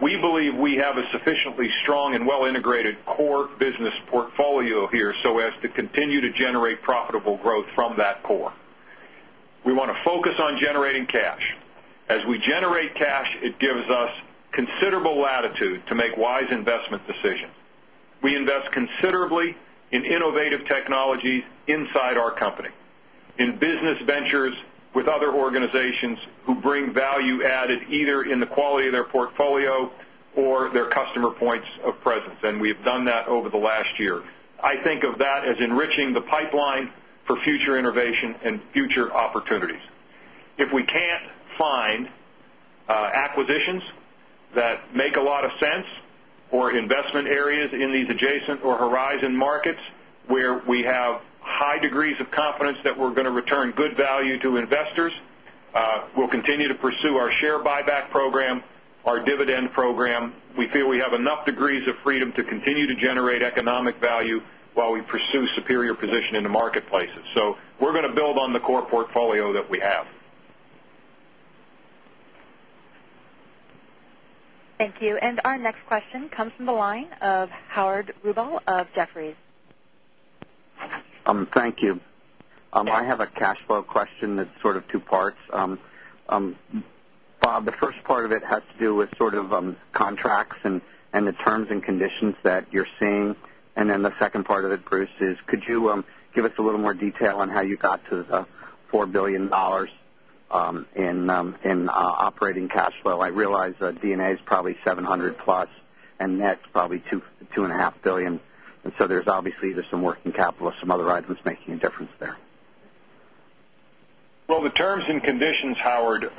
We believe we have a sufficiently strong and well integrated core business portfolio here so as to continue to generate profitable growth from that core. We want to focus on generating conference call is being recorded to make wise investment decisions. We invest considerably in innovative technologies inside our company, conference call is being recorded in the conference call is open. I think of that as enriching the pipeline for future innovation and future If we can't find acquisitions that make a lot of sense or investment areas in these adjacent or call is Horizon markets, where we have high degrees of confidence that we're going to return good value to investors. Call is We'll continue to pursue our share buyback program, our dividend program. We feel we have enough degrees of freedom to continue to generate economic value conference call is While we pursue superior position in the marketplaces. So we're going to build on the core portfolio that we have. Call is open. Thank you. And our next question comes from the line of Howard Rubal of Jefferies. Thank you. I have a cash flow question that's sort of 2 parts. Bob, the first part of it has to do with sort call Tell on how you got to the $4,000,000,000 in operating cash flow. I realize that D and A is probably 700 call And that's probably $2,500,000,000 And so there's obviously there's some working capital or some other items making a difference there? Well, the terms and Conditions Howard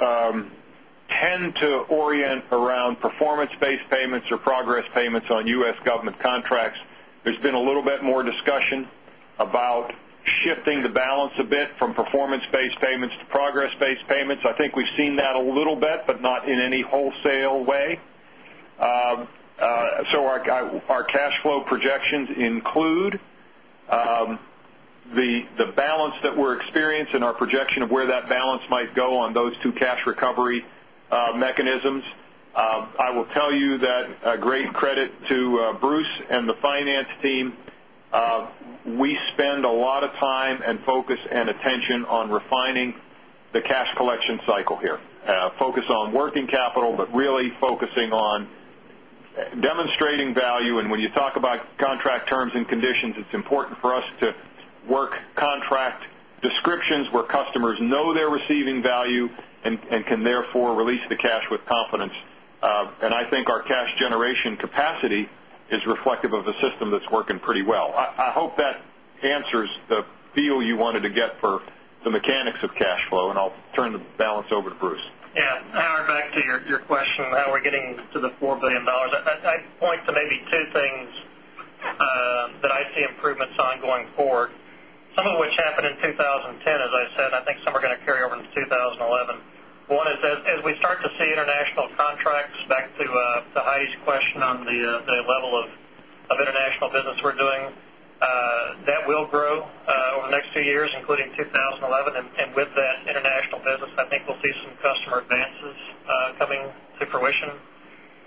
tend to orient around performance based payments or progress payments on U. S. Government contracts. There's call is open. So our cash flow projections include The balance that we're experiencing, our projection of where that balance might go on those 2 cash recovery mechanisms, I will tell you that call. Great credit to Bruce and the finance team. We spend a lot of time and focus and attention on refining the cash collection conference call is being recorded. Our next question comes from the line of John conditions, it's important for us to work contract descriptions where customers know they're receiving value and can therefore release the cash with conference call is open. And I think our cash generation capacity is reflective of the system that's working pretty well. I hope that answers the feel you We wanted to get for the mechanics of cash flow and I'll turn the balance over to Bruce. Yes. Howard back to your question, how we're getting to the 4,000,000,000 call I'd point to maybe 2 things that I see improvements on going forward. Some of which happened in 2010 as I said, I think conference call. Some are going to carry over into 2011. One is, as we start to see international contracts back to Heidi's question on the level of international business we're conference call is open. That will grow over the next few years including 2011. And with that international business, I think we'll see some customer conference call is coming to fruition.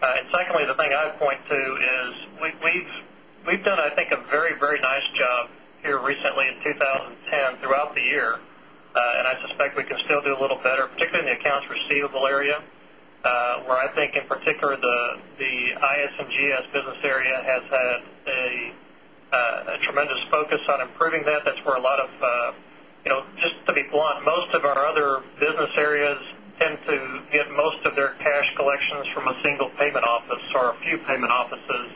And secondly, the thing I'd point to is we've done I think a very, very nice job The IS and GS business area has had a tremendous focus on improving that. That's where a lot of call Just to be blunt, most of our other business areas tend to get most of their cash collections from a single payment office or a few conference call.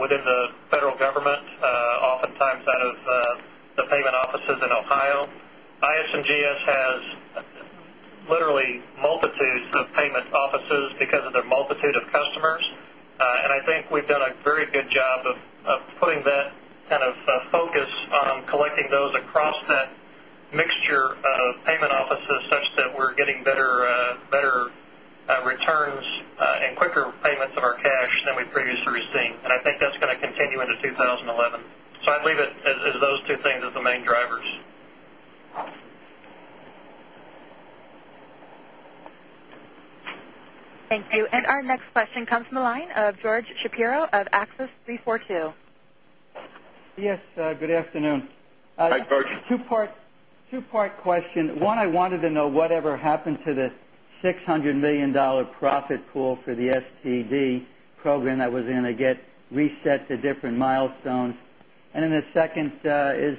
Within the federal government, oftentimes out of the payment offices in Ohio, IS and GS conference call is Literally multitudes of payment offices because of their multitude of customers. And I think we've done a very good job of putting that conference call is kind of focused on collecting those across that mixture of payment offices such that we're getting better conference call is Our returns and quicker payments of our cash than we previously received. And I think that's going to continue into 2011. So I'd leave it as those two Bart Shapiro of AXIS 342. Yes, good afternoon. Hi, Bart. Two part question. One, I wanted to know whatever conference call. What happened to the $600,000,000 profit pool for the STD program that was going to get reset to different milestones? And then the second conference is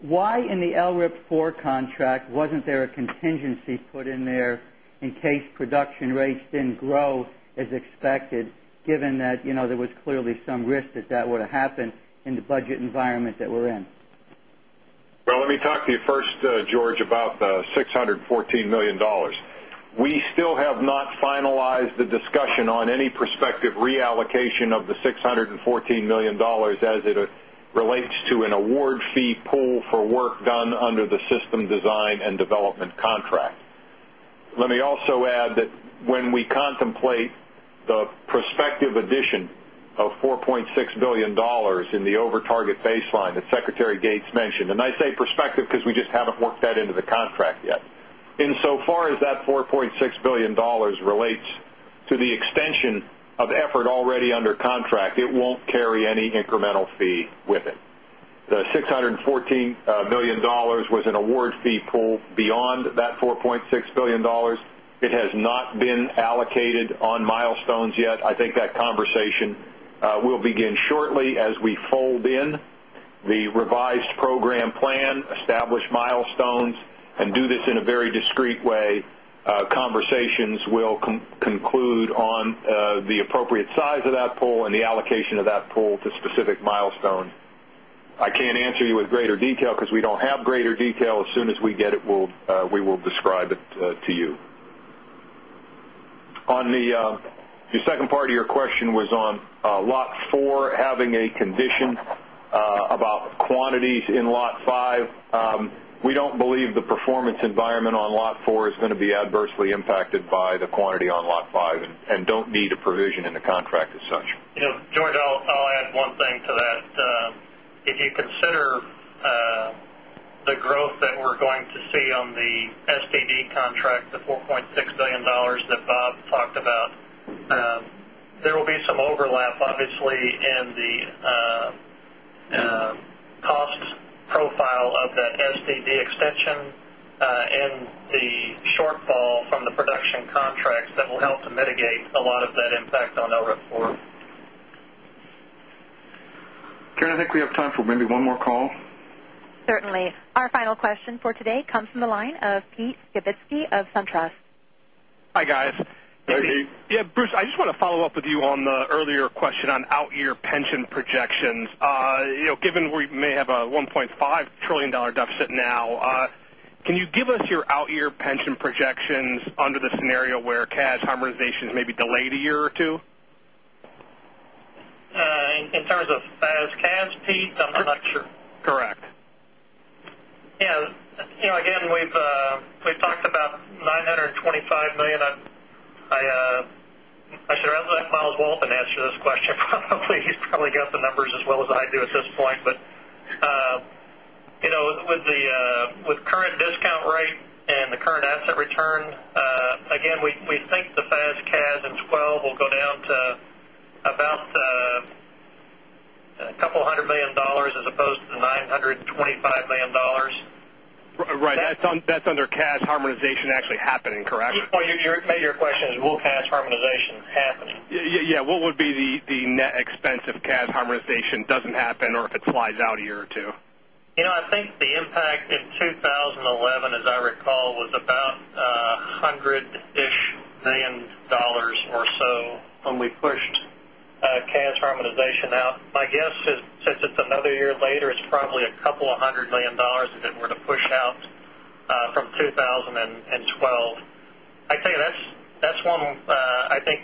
why in the LRIP IV contract wasn't there a contingency put in there in call. Well, let me talk to you first, George, about the $614,000,000 We still have not finalized the discussion on any call is being recorded. Award fee pool for work done under the system design and development contract. Let me also add that when we contemplate call is The prospective addition of $4,600,000,000 in the over target baseline that Secretary Gates mentioned conference call. And I'd say perspective because we just haven't worked that into the contract yet. In so far as that $4,600,000,000 relates to the extension of The extension of effort already under contract, it won't carry any incremental fee with it. The $614,000,000 was an award fee conference call will be pulled beyond that $4,600,000,000 It has not been allocated on milestones yet. I think that conversation conference call will begin shortly as we fold in the revised program plan, establish milestones and do this in a very discrete way. Conversations will conclude on the appropriate size of that pool and the allocation of that pool conference call is open. I can't answer you with greater detail because we don't have greater detail. As soon as we get it, we will describe it to you. On the call is private to you. On the second part of your question was on Lot 4 having a condition About quantities in Lot 5, we don't believe the performance environment on Lot 4 is going to be adversely impacted by the quantity on Lot 5 and don't need a conference call. The growth that we're going to see on the STD contract, the $4,600,000,000 that Bob talked call is being recorded. And the shortfall from the production contracts that will help to question for today comes from the line of Pete Skibitski of SunTrust. Hi, guys. Hi, Pete. Yes, Bruce, I just want follow-up with you on the earlier question on out year pension projections. Given we may have a 1.5 call. Can you give us your out year pension projections under the scenario where cash harmonization is Maybe delayed a year or 2? In terms of fast cash, Pete, I'm not sure. Correct. Again, we've talked about $925,000,000 I should Myles Walton answer this question probably. He's probably got the numbers as well as I do at this point. But with conference call. The current discount rate and the current asset return, again, we think the FASCAS in 'twelve will go down to About a couple of $100,000,000 as opposed to the $925,000,000 Right. That's under cash Harmonization actually happening, correct? Your question is will cash harmonization happen? Yes. What would be the net expense of As harmonization doesn't happen or if it flies out a year or 2. I think the impact in 2011 as I recall was about call. Couple of $100,000,000 if it were to push out from 2012. I'd say that's one I Hey,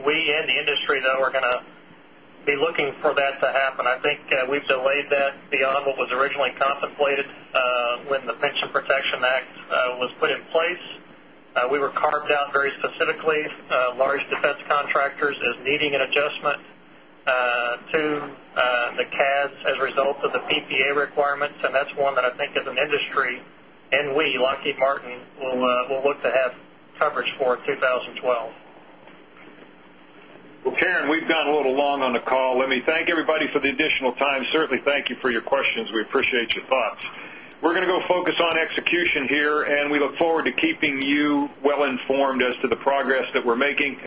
Martin. We'll look to have coverage for 2012. Well, Karen, we've gone a little long on the call. Let me thank everybody call is open. We'll focus on execution here and we look forward to keeping you well informed as to the progress that we're making